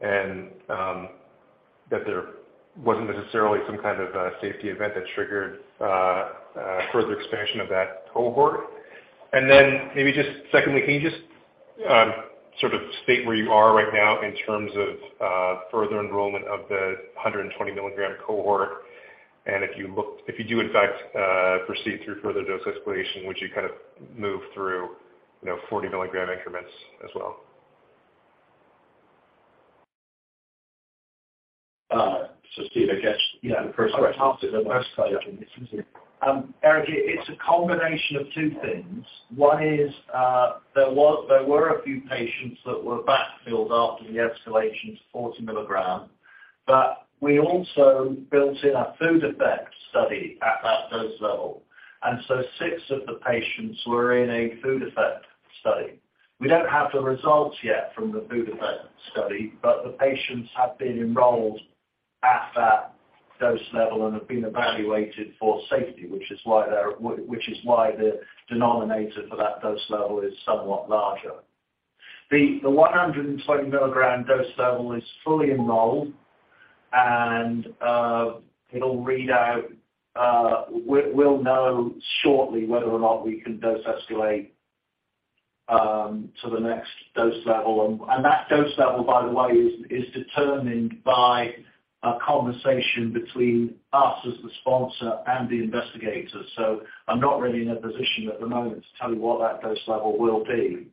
and that there wasn't necessarily some kind of a safety event that triggered a further expansion of that cohort. Then maybe just secondly, can you sort of state where you are right now in terms of further enrollment of the 120 milligram cohort? If you do in fact proceed through further dose exploration, would you kind of move through, you know, 40 milligram increments as well? Steve, I guess you have the first question. Eric, it's a combination of two things. One is, there were a few patients that were backfilled after the escalation to 40 milligrams, but we also built in a food effect study at that dose level. Six of the patients were in a food effect study. We don't have the results yet from the food effect study, but the patients have been enrolled at that dose level and have been evaluated for safety, which is why the denominator for that dose level is somewhat larger. The 120 milligram dose level is fully enrolled and it'll read out, we'll know shortly whether or not we can dose escalate to the next dose level. That dose level, by the way, is determined by a conversation between us as the sponsor and the investigators. I'm not really in a position at the moment to tell you what that dose level will be.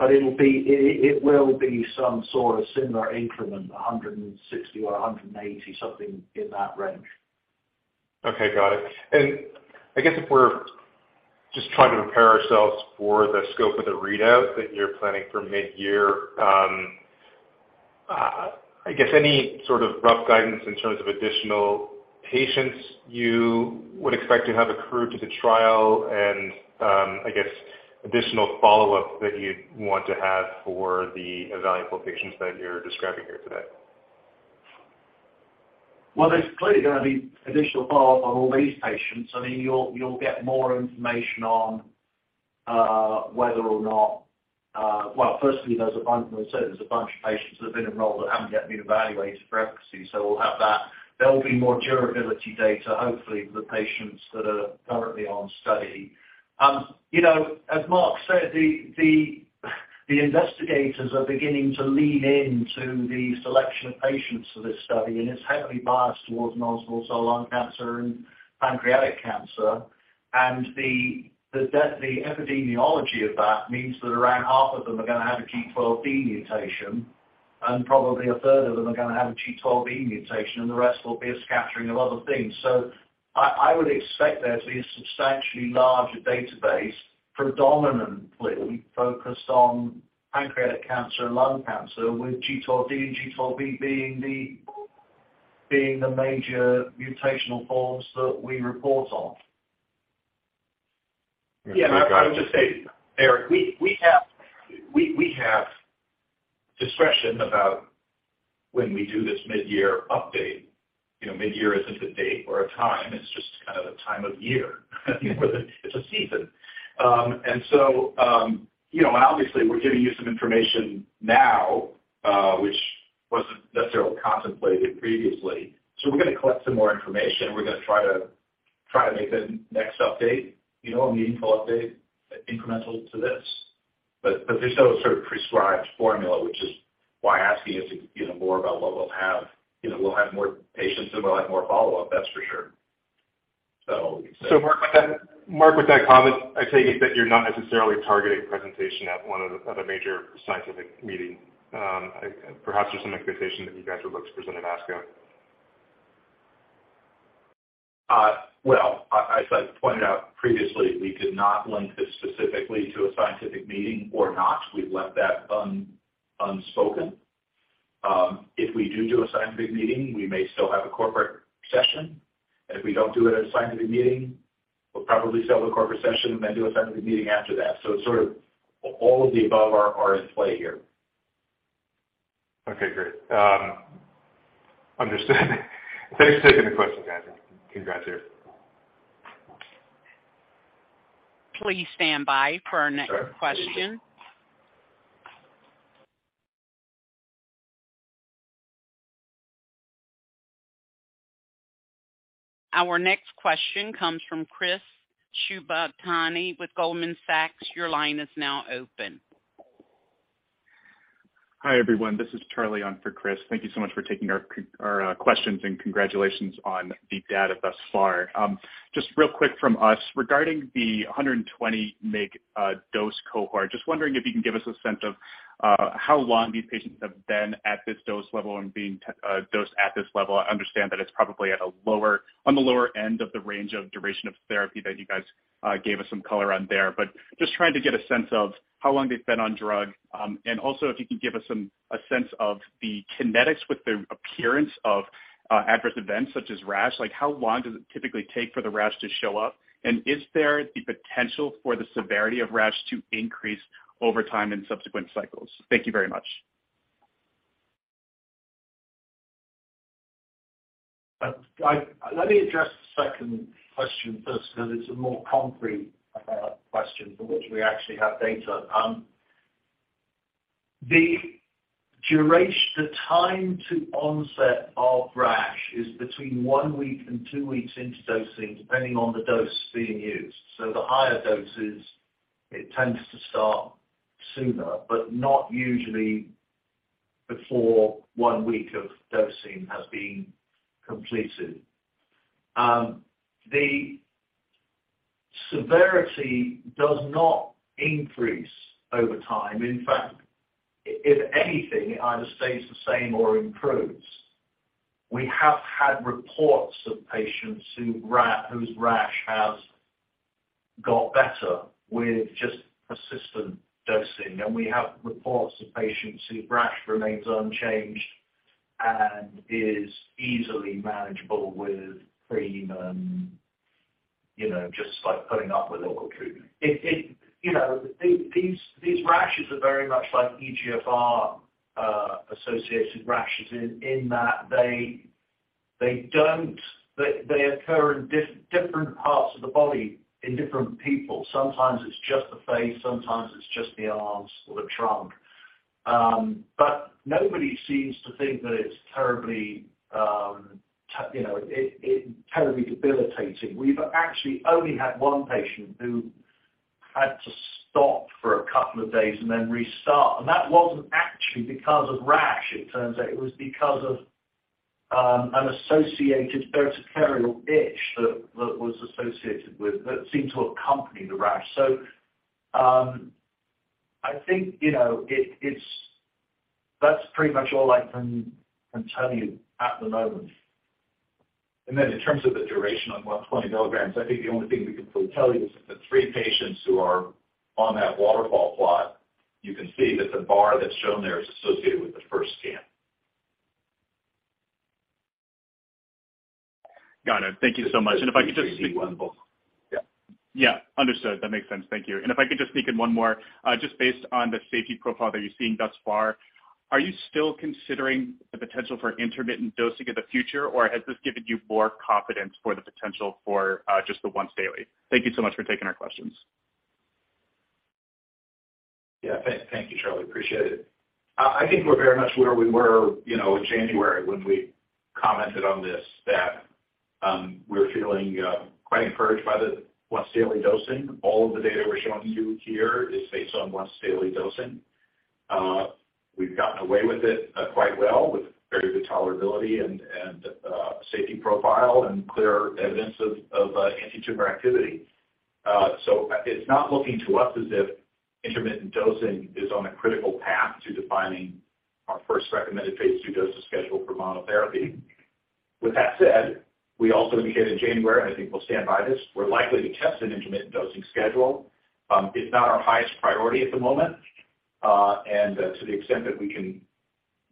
It will be some sort of similar increment, 160 or 180, something in that range. Okay, got it. I guess if we're just trying to prepare ourselves for the scope of the readout that you're planning for mid-year, I guess any sort of rough guidance in terms of additional patients you would expect to have accrued to the trial and, I guess additional follow-up that you'd want to have for the evaluable patients that you're describing here today? Well, there's clearly gonna be additional follow-up on all these patients. I mean, you'll get more information on whether or not. Well, firstly, there's a bunch, as I said, there's a bunch of patients that have been enrolled that haven't yet been evaluated for efficacy. We'll have that. There'll be more durability data, hopefully, for the patients that are currently on study. You know, as Mark said, the investigators are beginning to lean into the selection of patients for this study. It's heavily biased towards non-small cell lung cancer and pancreatic cancer. The epidemiology of that means that around half of them are gonna have a G12D mutation. Probably a third of them are gonna have a G12E mutation. The rest will be a scattering of other things. I would expect there to be a substantially larger database predominantly focused on pancreatic cancer and lung cancer, with G12D and G12E being the major mutational forms that we report on. Yeah. I would just say, Eric, we have discretion about when we do this mid-year update. You know, mid-year isn't a date or a time, it's just kind of a time of year. It's a, it's a season. You know, obviously we're giving you some information now, which wasn't necessarily contemplated previously. We're gonna collect some more information. We're gonna try to make the next update, you know, a meaningful update incremental to this. There's no sort of prescribed formula, which is why asking us, you know, more about what we'll have, you know, we'll have more patients and we'll have more follow-up, that's for sure. Mark, with that comment, I take it that you're not necessarily targeting presentation at one of the, at a major scientific meeting. Perhaps there's some expectation that you guys would look to present at ASCO. Well, as I pointed out previously, we did not link this specifically to a scientific meeting or not. We've left that unspoken. If we do a scientific meeting, we may still have a corporate session. If we don't do it at a scientific meeting, we'll probably sell the corporate session and then do a scientific meeting after that. It's sort of all of the above are in play here. Okay, great. understood. Thanks for taking the question, guys, and congrats here. Please stand by for our next question. Sure. Thank you. Our next question comes from Chris Shibutani with Goldman Sachs. Your line is now open. Hi, everyone. This is Charlie on for Chris. Thank you so much for taking our questions and congratulations on the data thus far. Just real quick from us regarding the 120 mg dose cohort. Just wondering if you can give us a sense of how long these patients have been at this dose level and being dosed at this level. I understand that it's probably at a lower, on the lower end of the range of duration of therapy that you guys gave us some color on there. Just trying to get a sense of how long they've been on drug. Also if you can give us some, a sense of the kinetics with the appearance of adverse events such as rash, like how long does it typically take for the rash to show up? Is there the potential for the severity of rash to increase over time in subsequent cycles? Thank you very much. Let me address the second question first, because it's a more concrete question for which we actually have data. The time to onset of rash is between 1 week and 2 weeks into dosing, depending on the dose being used. The higher doses, it tends to start sooner, but not usually before 1 week of dosing has been completed. The severity does not increase over time. In fact, if anything, it either stays the same or improves. We have had reports of patients whose rash has got better with just persistent dosing. We have reports of patients whose rash remains unchanged and is easily manageable with cream and, you know, just like putting up with local treatment. It, you know, these rashes are very much like EGFR associated rashes in that they occur in different parts of the body in different people. Sometimes it's just the face, sometimes it's just the arms or the trunk. Nobody seems to think that it's terribly, you know, terribly debilitating. We've actually only had one patient who had to stop for a couple of days and then restart. That wasn't actually because of rash, it turns out. It was because of an associated urticarial itch that was associated with, that seemed to accompany the rash. I think, you know, That's pretty much all I can tell you at the moment. Then in terms of the duration on 120 milligrams, I think the only thing we can fully tell you is that the 3 patients who are on that waterfall plot, you can see that the bar that's shown there is associated with the first scan. Got it. Thank you so much. If I could just sneak one more- Yeah. Yeah. Understood. That makes sense. Thank you. If I could just sneak in one more. Just based on the safety profile that you're seeing thus far, are you still considering the potential for intermittent dosing in the future, or has this given you more confidence for the potential for just the once daily? Thank you so much for taking our questions. Yeah. Thank you, Charlie. Appreciate it. I think we're very much where we were, you know, in January when we commented on this, that we're feeling quite encouraged by the once daily dosing. All of the data we're showing you here is based on once daily dosing. We've gotten away with it quite well, with very good tolerability and safety profile and clear evidence of antitumor activity. It's not looking to us as if intermittent dosing is on a critical path to defining our first recommended phase 2 dosing schedule for monotherapy. With that said, we also indicated in January, and I think we'll stand by this, we're likely to test an intermittent dosing schedule. It's not our highest priority at the moment. To the extent that we can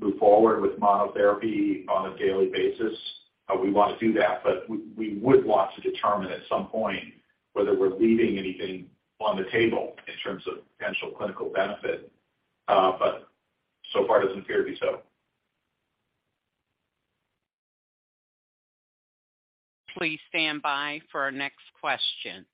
move forward with monotherapy on a daily basis, we want to do that. We would want to determine at some point whether we're leaving anything on the table in terms of potential clinical benefit. So far it doesn't appear to be so. Please stand by for our next question.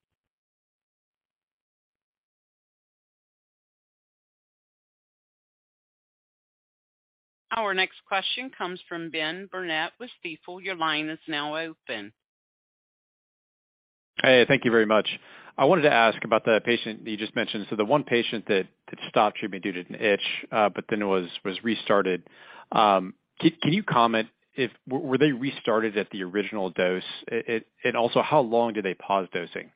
Our next question comes from Benjamin Burnett with Stifel. Your line is now open. Hey, thank you very much. I wanted to ask about the patient that you just mentioned. The one patient that stopped treatment due to an itch, but then was restarted. Can you comment if were they restarted at the original dose? Also, how long did they pause dosing?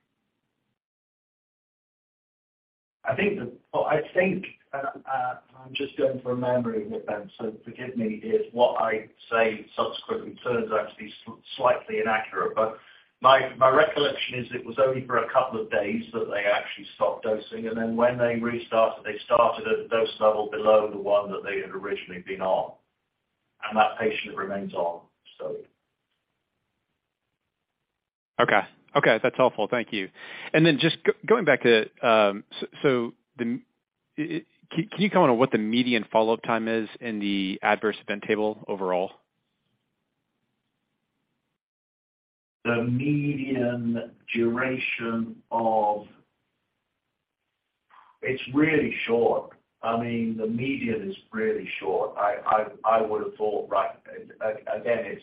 I think I'm just going from memory with them, so forgive me if what I say subsequently turns out to be slightly inaccurate. My recollection is it was only for a couple of days that they actually stopped dosing, and then when they restarted, they started at a dose level below the one that they had originally been on. That patient remains on study. Okay. Okay, that's helpful. Thank you. Then just going back to, can you comment on what the median follow-up time is in the adverse event table overall? It's really short. I mean, the median is really short. I would have thought, right. It's,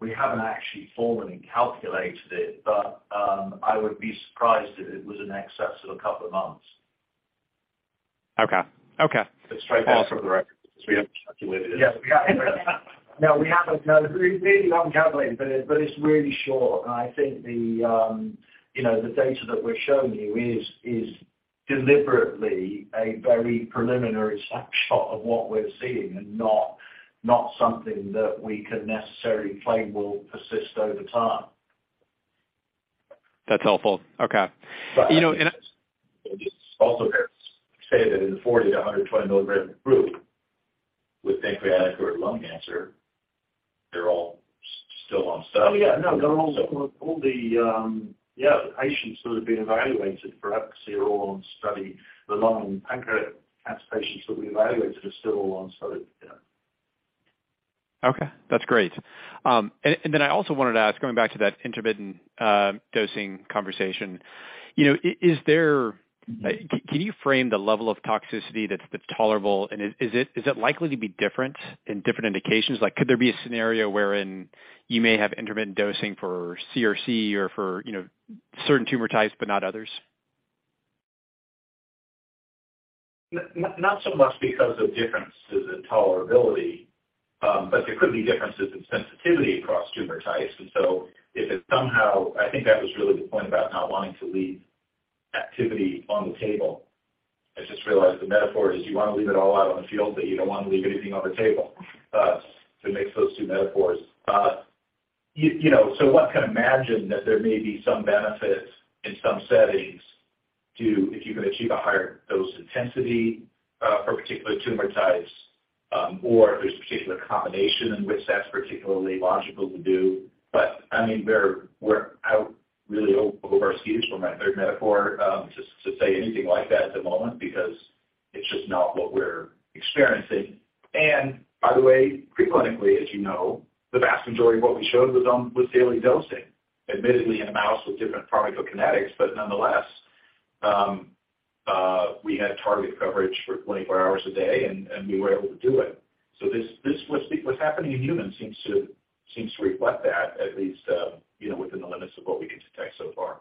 we haven't actually formally calculated it, but I would be surprised if it was in excess of a couple of months. Okay. Okay. Just straight off, for the record, since we haven't calculated it. Yes, we haven't. No, we haven't. No, we really haven't calculated it, but it's really short. I think the, you know, the data that we're showing you is deliberately a very preliminary snapshot of what we're seeing and not something that we can necessarily claim will persist over time. That's helpful. Okay. You know. It's also fair to say that in the 40 mg-120 mg group with pancreatic or lung cancer, they're all still on study. Oh, yeah. No, they're all the patients that have been evaluated for efficacy are all on study. The lung and pancreatic cancer patients that we evaluated are still all on study. Okay, that's great. I also wanted to ask, going back to that intermittent dosing conversation, you know, is there Can you frame the level of toxicity that's tolerable and is it likely to be different in different indications? Like could there be a scenario wherein you may have intermittent dosing for CRC or for, you know, certain tumor types but not others? Not so much because of differences in tolerability, but there could be differences in sensitivity across tumor types. I think that was really the point about not wanting to leave activity on the table. I just realized the metaphor is you wanna leave it all out on the field, but you don't wanna leave anything on the table. It makes those two metaphors. You know, one can imagine that there may be some benefit in some settings to if you can achieve a higher dose intensity for particular tumor types, or if there's a particular combination in which that's particularly logical to do. I mean, we're out really over our skis for my third metaphor, just to say anything like that at the moment because it's just not what we're experiencing. By the way, pre-clinically, as you know, the vast majority of what we showed was on, was daily dosing, admittedly in a mouse with different pharmacokinetics. Nonetheless, we had target coverage for 24 hours a day and we were able to do it. What's happening in humans seems to reflect that at least, you know, within the limits of what we can detect so far.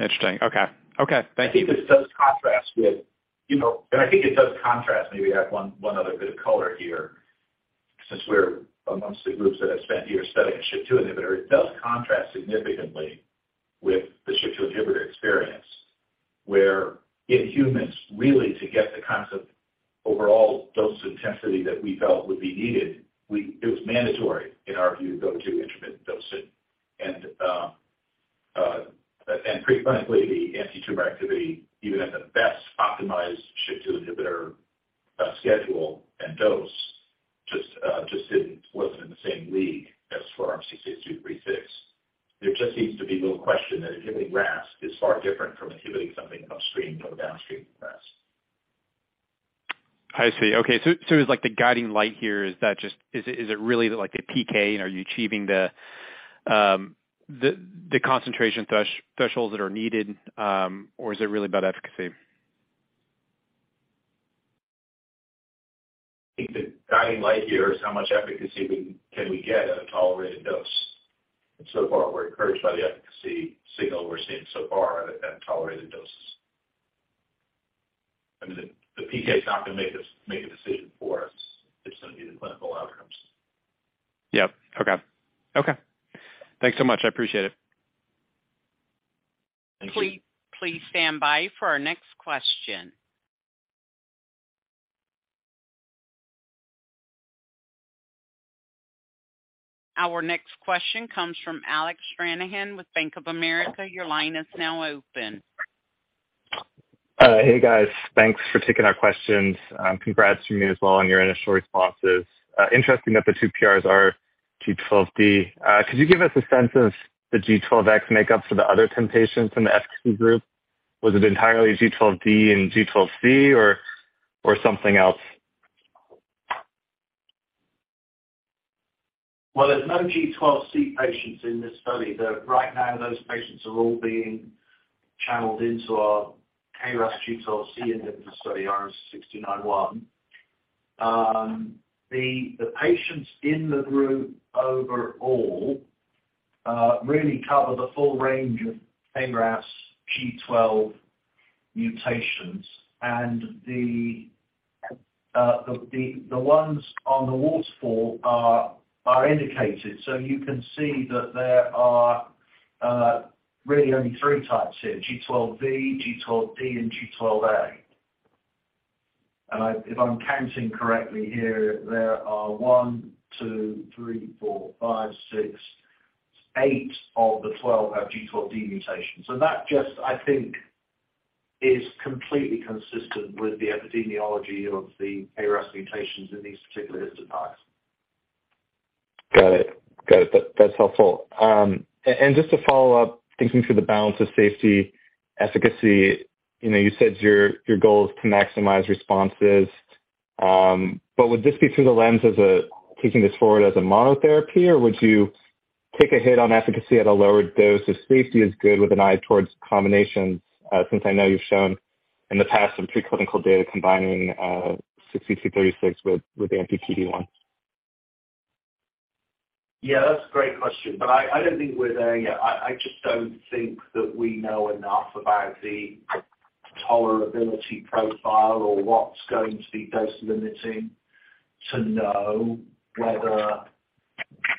Interesting. Okay. Okay. Thank you. I think it does contrast with, you know. I think it does contrast. Maybe I have one other bit of color here since we're amongst the groups that have spent years studying a SH2 inhibitor. It does contrast significantly with the SH2 inhibitor experience, where in humans really to get the kinds of overall dose intensity that we felt would be needed, it was mandatory in our view to go to intermittent dosing. Pre-clinically, the antitumor activity, even at the best optimized SH2 inhibitor schedule and dose just didn't wasn't in the same league as for RMC-6236. There just seems to be little question that inhibiting RAS is far different from inhibiting something upstream or downstream of RAS. As like the guiding light here, is that just, is it really like the PK and are you achieving the concentration thresholds that are needed, or is it really about efficacy? I think the guiding light here is how much efficacy can we get at a tolerated dose. So far we're encouraged by the efficacy signal we're seeing so far at tolerated doses. I mean the PK is not gonna make a decision for us. It's gonna be the clinical outcomes. Yep. Okay. Okay. Thanks so much. I appreciate it. Thank you. Please stand by for our next question. Our next question comes from Alec Stranahan with Bank of America. Your line is now open. Hey, guys. Thanks for taking our questions. Congrats from me as well on your initial responses. Interesting that the 2 PRs are G12D. Could you give us a sense of the G12X makeups for the other 10 patients in the FK group? Was it entirely G12D and G12C or something else? Well, there's no G12C patients in this study. Right now those patients are all being channeled into our KRAS G12C inhibitor study, RMC-6291. The patients in the group overall really cover the full range of KRAS G12 mutations and the ones on the waterfall are indicated. You can see that there are really only three types here, G12V, G12D, and G12A. If I'm counting correctly here, there are 1, 2, 3, 4, 5, 6, 8 of the 12 have G12D mutations. That just, I think is completely consistent with the epidemiology of the KRAS mutations in these particular histopaths. Got it. That's helpful. Just to follow up, thinking through the balance of safety efficacy, you know, you said your goal is to maximize responses. Would this be through the lens taking this forward as a monotherapy, or would you take a hit on efficacy at a lower dose if safety is good with an eye towards combinations? Since I know you've shown in the past some pre-clinical data combining 636 with anti-PD-1. Yeah, that's a great question. I don't think we're there yet. I just don't think that we know enough about the tolerability profile or what's going to be dose limiting to know whether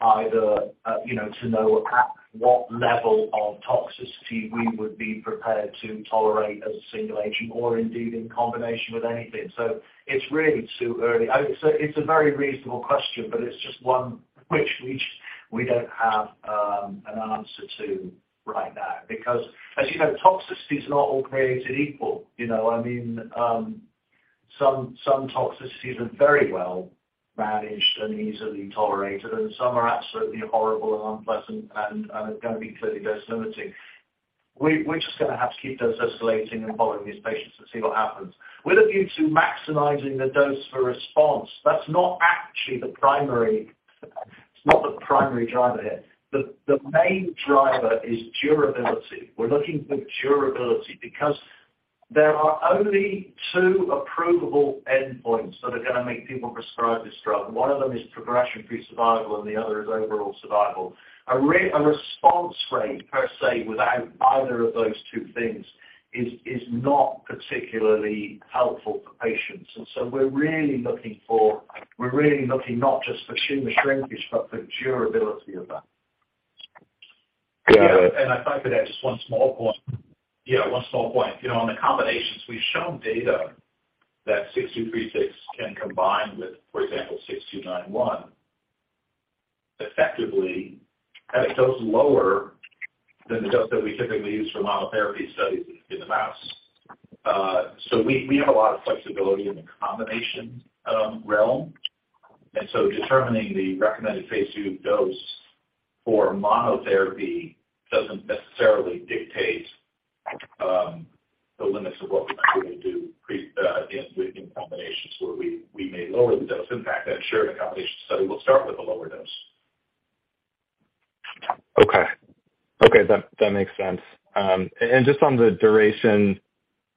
either, you know, to know at what level of toxicity we would be prepared to tolerate as a single agent or indeed in combination with anything. It's really too early. I would say it's a very reasonable question, but it's just one which we don't have an answer to right now because as you know, toxicities are not all created equal, you know. I mean, some toxicities are very well managed and easily tolerated, and some are absolutely horrible and unpleasant and are gonna be clearly dose limiting. We're just gonna have to keep dose escalating and following these patients to see what happens. With a view to maximizing the dose for response, that's not actually the primary. It's not the primary driver here. The main driver is durability. We're looking for durability because there are only two approvable endpoints that are gonna make people prescribe this drug. One of them is progression-free survival, and the other is overall survival. A response rate per se, without either of those two things is not particularly helpful for patients. We're really looking for. We're really looking not just for tumor shrinkage, but the durability of that. Yeah. I thought that I had just one small point. Yeah, one small point. You know, on the combinations, we've shown data that RMC-6236 can combine with, for example, RMC-6291 effectively at a dose lower than the dose that we typically use for monotherapy studies in the mouse. We have a lot of flexibility in the combination realm. Determining the recommended phase 2 dose for monotherapy doesn't necessarily dictate the limits of what we can really do pre in combinations where we may lower the dose impact and sure, in a combination study, we'll start with a lower dose. Okay. Okay, that makes sense. Just on the duration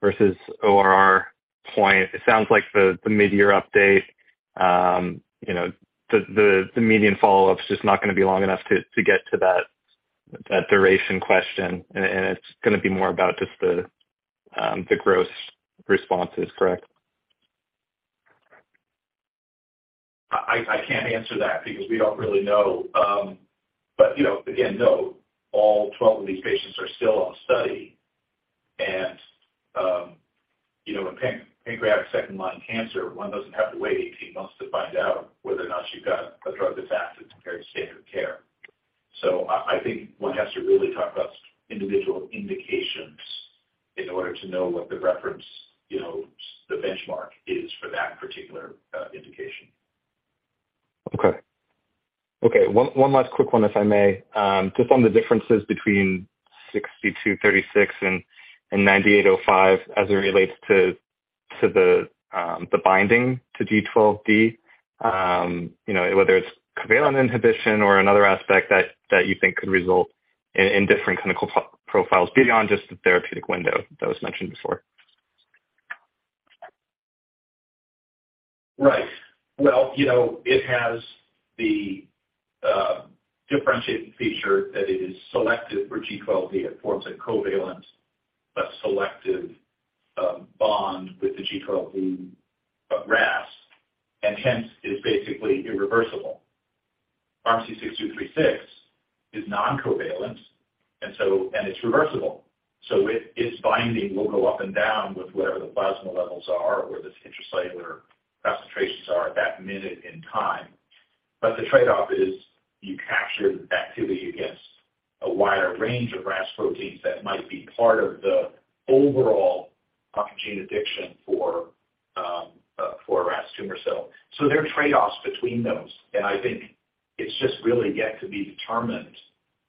versus ORR point, it sounds like the midyear update, you know, the median follow-up's just not gonna be long enough to get to that duration question, and it's gonna be more about just the gross responses, correct? I can't answer that because we don't really know. You know, again, no, all 12 of these patients are still on study, and, you know, in pancreatic second-line cancer, one doesn't have to wait 18 months to find out whether or not you've got a drug that's active compared to standard care. I think one has to really talk about individual indications in order to know what the reference, you know, the benchmark is for that particular indication. Okay. Okay, one last quick one, if I may. Just on the differences between RMC-6236 and RMC-9805 as it relates to the binding to KRAS G12D, you know, whether it's covalent inhibition or another aspect that you think could result in different clinical profiles beyond just the therapeutic window that was mentioned before. Right. Well, you know, it has the differentiating feature that it is selective for G12D. It forms a covalent but selective bond with the G12D RAS, and hence it is basically irreversible. RMC-6236 is non-covalent. It's reversible. Its binding will go up and down with whatever the plasma levels are or the intracellular concentrations are at that minute in time. The trade-off is you capture the activity against a wider range of RAS proteins that might be part of the overall oncogene addiction for a RAS tumor cell. There are trade-offs between those, and I think it's just really yet to be determined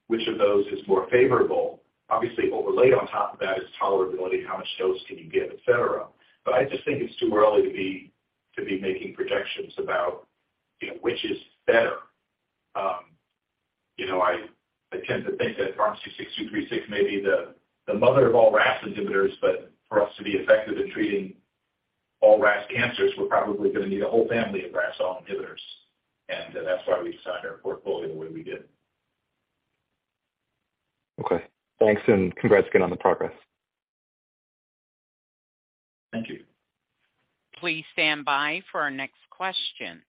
which of those is more favorable. Obviously, overlaid on top of that is tolerability, how much dose can you give, et cetera. I just think it's too early to be making projections about, you know, which is better. You know, I tend to think that RMC-6236 may be the mother of all RAS inhibitors, but for us to be effective in treating all RAS cancers, we're probably gonna need a whole family of RAS all inhibitors, and that's why we design our portfolio the way we did. Okay. Thanks, and congrats again on the progress. Thank you. Please stand by for our next question.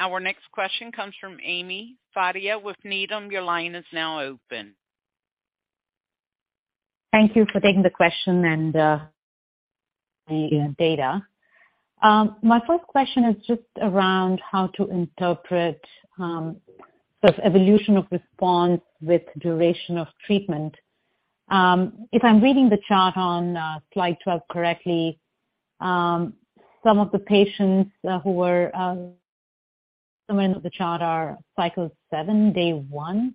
Thank you. Our next question comes from Ami Fadia with Needham. Your line is now open. Thank you for taking the question and the data. My first question is just around how to interpret sort of evolution of response with duration of treatment. If I'm reading the chart on slide 12 correctly, some of the patients who were somewhere in the chart are cycle 7, day 1,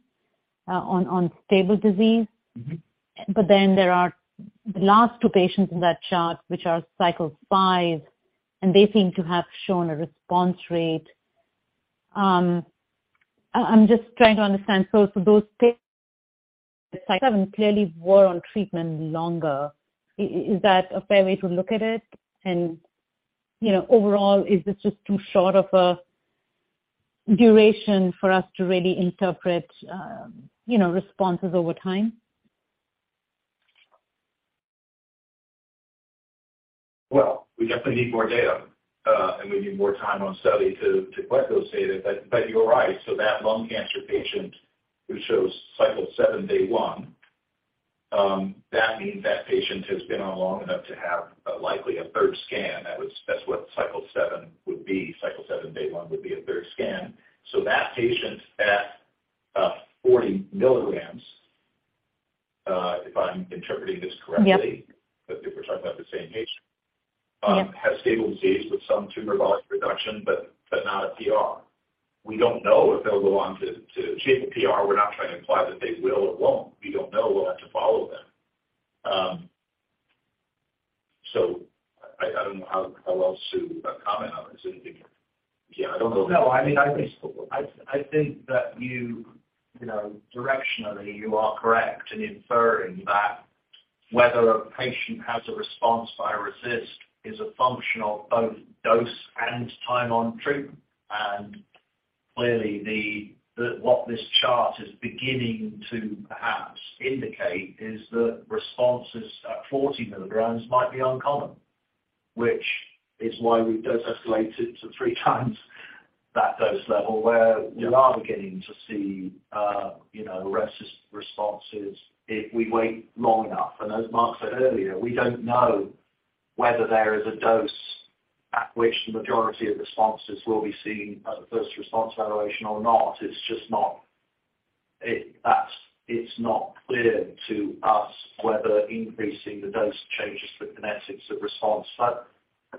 on stable disease. Mm-hmm. There are the last 2 patients in that chart, which are cycle 5, and they seem to have shown a response rate. I'm just trying to understand. Those patients in cycle 7 clearly were on treatment longer. Is that a fair way to look at it? You know, overall, is this just too short of a duration for us to really interpret, you know, responses over time? We definitely need more data, and we need more time on study to collect those data. You're right. That lung cancer patient who shows cycle 7, day 1, that means that patient has been on long enough to have likely a 3rd scan. That's what cycle 7 would be. Cycle 7, day 1 would be a 3rd scan. That patient at 40 milligrams, if I'm interpreting this correctly. Yep. that we're talking about the same patient. Yeah. Has stable disease with some tumor volume reduction, but not a PR. We don't know if they'll go on to achieve a PR. We're not trying to imply that they will or won't. We don't know. We'll have to follow them. I don't know how else to comment on it. I don't know. No, I mean, I think that you know, directionally you are correct in inferring that whether a patient has a response by RECIST is a function of both dose and time on treatment. Clearly what this chart is beginning to perhaps indicate is that responses at 40 milligrams might be uncommon. Which is why we've dose escalated to 3 times that dose level where- Yeah. We are beginning to see, you know, responses if we wait long enough. As Mark said earlier, we don't know whether there is a dose at which the majority of responses will be seen at the first response evaluation or not. It's just not clear to us whether increasing the dose changes the kinetics of response.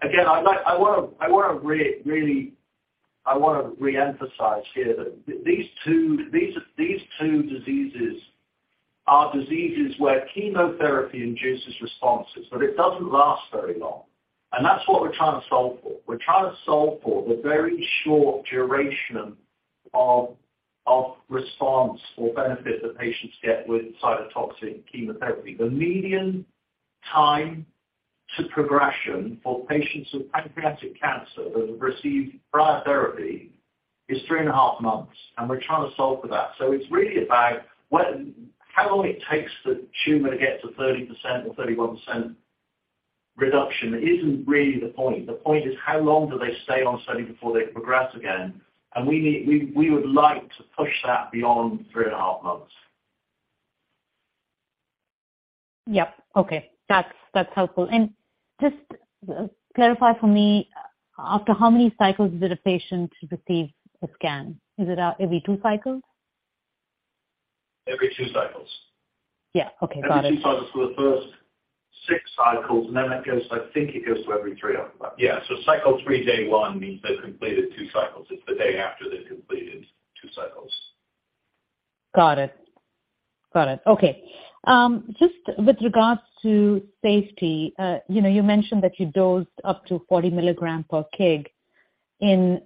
Again, I wanna re-emphasize here that these two diseases are diseases where chemotherapy induces responses, but it doesn't last very long. That's what we're trying to solve for. We're trying to solve for the very short duration of response or benefit that patients get with cytotoxic chemotherapy. The median time to progression for patients with pancreatic cancer that have received prior therapy is three and a half months, and we're trying to solve for that. It's really about how long it takes the tumor to get to 30% or 31% reduction isn't really the point. The point is how long do they stay on study before they progress again. We would like to push that beyond three and a half months. Yep. Okay. That's, that's helpful. Just clarify for me, after how many cycles did a patient receive a scan? Is it every two cycles? Every 2 cycles. Yeah. Okay. Got it. Every two cycles for the first six cycles, then it goes, I think it goes to every three after that. Yeah. Cycle three, day one means they've completed two cycles. It's the day after they've completed two cycles. Got it. Got it. Okay. Just with regards to safety, you know, you mentioned that you dosed up to 40 milligrams per kg in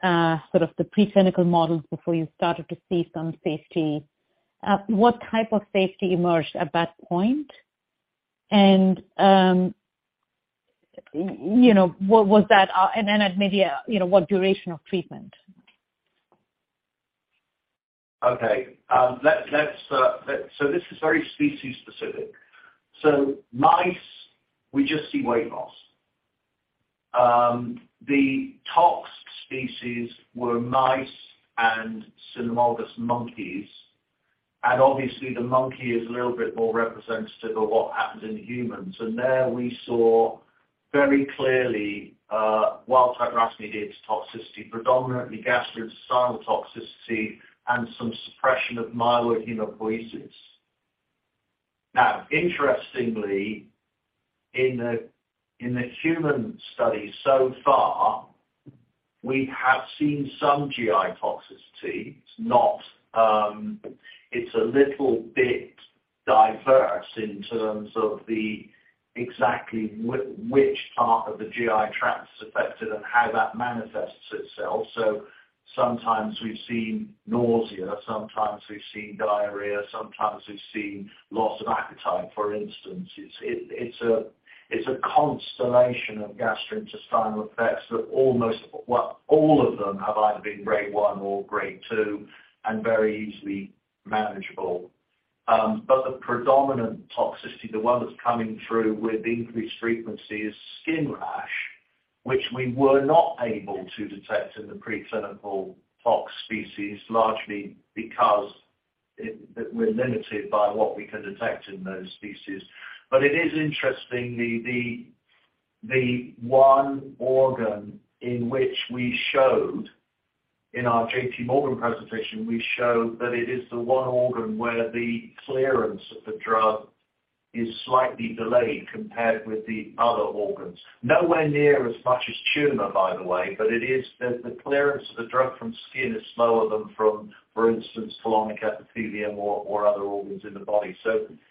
sort of the preclinical models before you started to see some safety. What type of safety emerged at that point? You know, what was that, and then at maybe, you know, what duration of treatment? Okay. This is very species-specific. Mice, we just see weight loss. The tox species were mice and cynomolgus monkeys, and obviously the monkey is a little bit more representative of what happens in humans. There we saw very clearly wild-type RAS-mediated toxicity, predominantly gastrointestinal toxicity, and some suppression of myeloid hematopoiesis. Now interestingly, in the human studies so far, we have seen some GI toxicity. It's not. It's a little bit diverse in terms of the exactly which part of the GI tract is affected and how that manifests itself. Sometimes we've seen nausea, sometimes we've seen diarrhea, sometimes we've seen loss of appetite, for instance. It's a constellation of gastrointestinal effects that almost, well, all of them have either been grade 1 or grade 2 and very easily manageable. The predominant toxicity, the one that's coming through with increased frequency is skin rash, which we were not able to detect in the preclinical tox species, largely because we're limited by what we can detect in those species. It is interesting, the one organ in which we showed in our JPMorgan presentation that it is the one organ where the clearance of the drug is slightly delayed compared with the other organs. Nowhere near as much as tumor, by the way, but it is, the clearance of the drug from skin is slower than from, for instance, colonic epithelium or other organs in the body.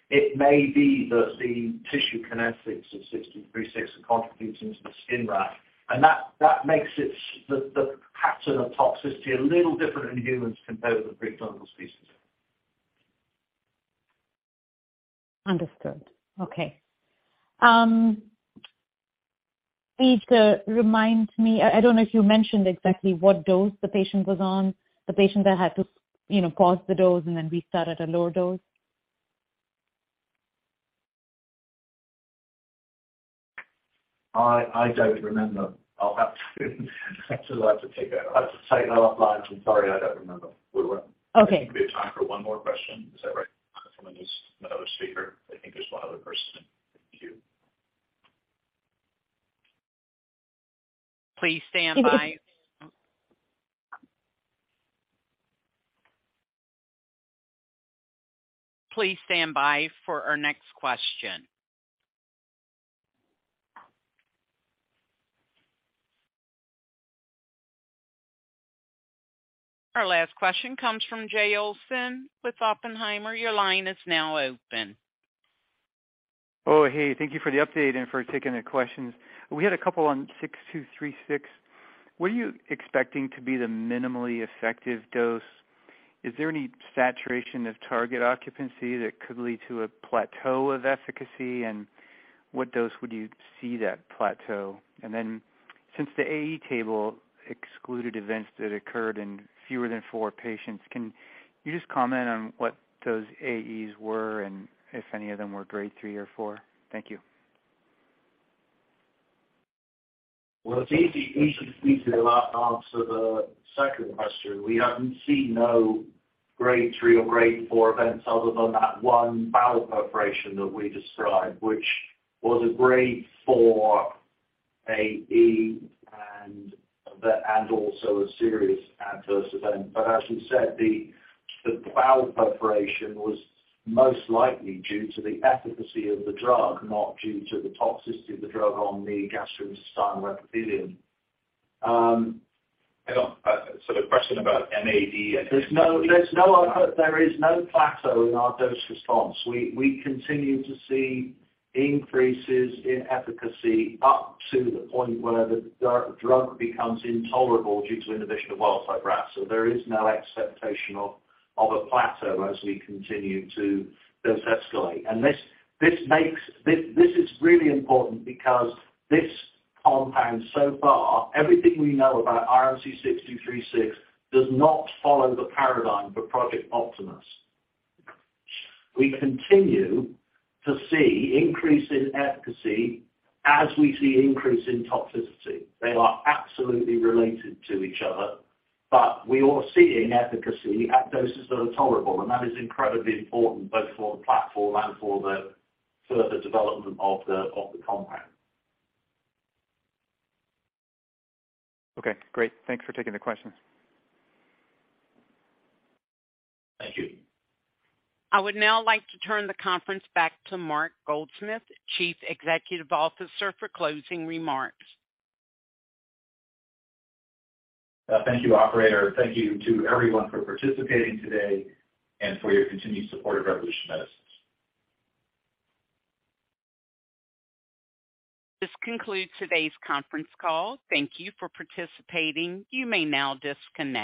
It may be that the tissue kinetics of RMC-6236 are contributing to the skin rash. That makes its... The pattern of toxicity a little different in humans compared with the preclinical species. Understood. Okay. Please remind me, I don't know if you mentioned exactly what dose the patient was on, the patient that had to, you know, pause the dose and then restart at a lower dose? I don't remember. I'll have to take that offline. I'm sorry, I don't remember where we were. Okay. I think we have time for one more question. Is that right? From this, another speaker. I think there's one other person. Please stand by. Please stand by for our next question. Our last question comes from Jay Olson with Oppenheimer. Your line is now open. Oh, hey, thank you for the update and for taking the questions. We had a couple on 6236. What are you expecting to be the minimally effective dose? Is there any saturation of target occupancy that could lead to a plateau of efficacy? What dose would you see that plateau? Since the AE table excluded events that occurred in fewer than 4 patients, can you just comment on what those AEs were and if any of them were Grade 3 or 4? Thank you. Well, it's easy for me to answer the second question. We haven't seen no grade 3 or grade 4 events other than that 1 bowel perforation that we described, which was a grade 4 AE and also a serious adverse event. As you said, the bowel perforation was most likely due to the efficacy of the drug, not due to the toxicity of the drug on the gastrointestinal epithelium. Hang on. The question about MAD. There's no other. There is no plateau in our dose response. We continue to see increases in efficacy up to the point where the drug becomes intolerable due to inhibition of wild-type RAS. There is no acceptation of a plateau as we continue to dose escalate. This makes this really important because this compound, so far, everything we know about RMC-6236 does not follow the paradigm for Project Optimus. We continue to see increase in efficacy as we see increase in toxicity. They are absolutely related to each other, but we are seeing efficacy at doses that are tolerable, and that is incredibly important both for the platform and for the further development of the compound. Okay, great. Thanks for taking the questions. Thank you. I would now like to turn the conference back to Mark Goldsmith, Chief Executive Officer, for closing remarks. Thank you, operator. Thank you to everyone for participating today and for your continued support of Revolution Medicines. This concludes today's conference call. Thank you for participating. You may now disconnect.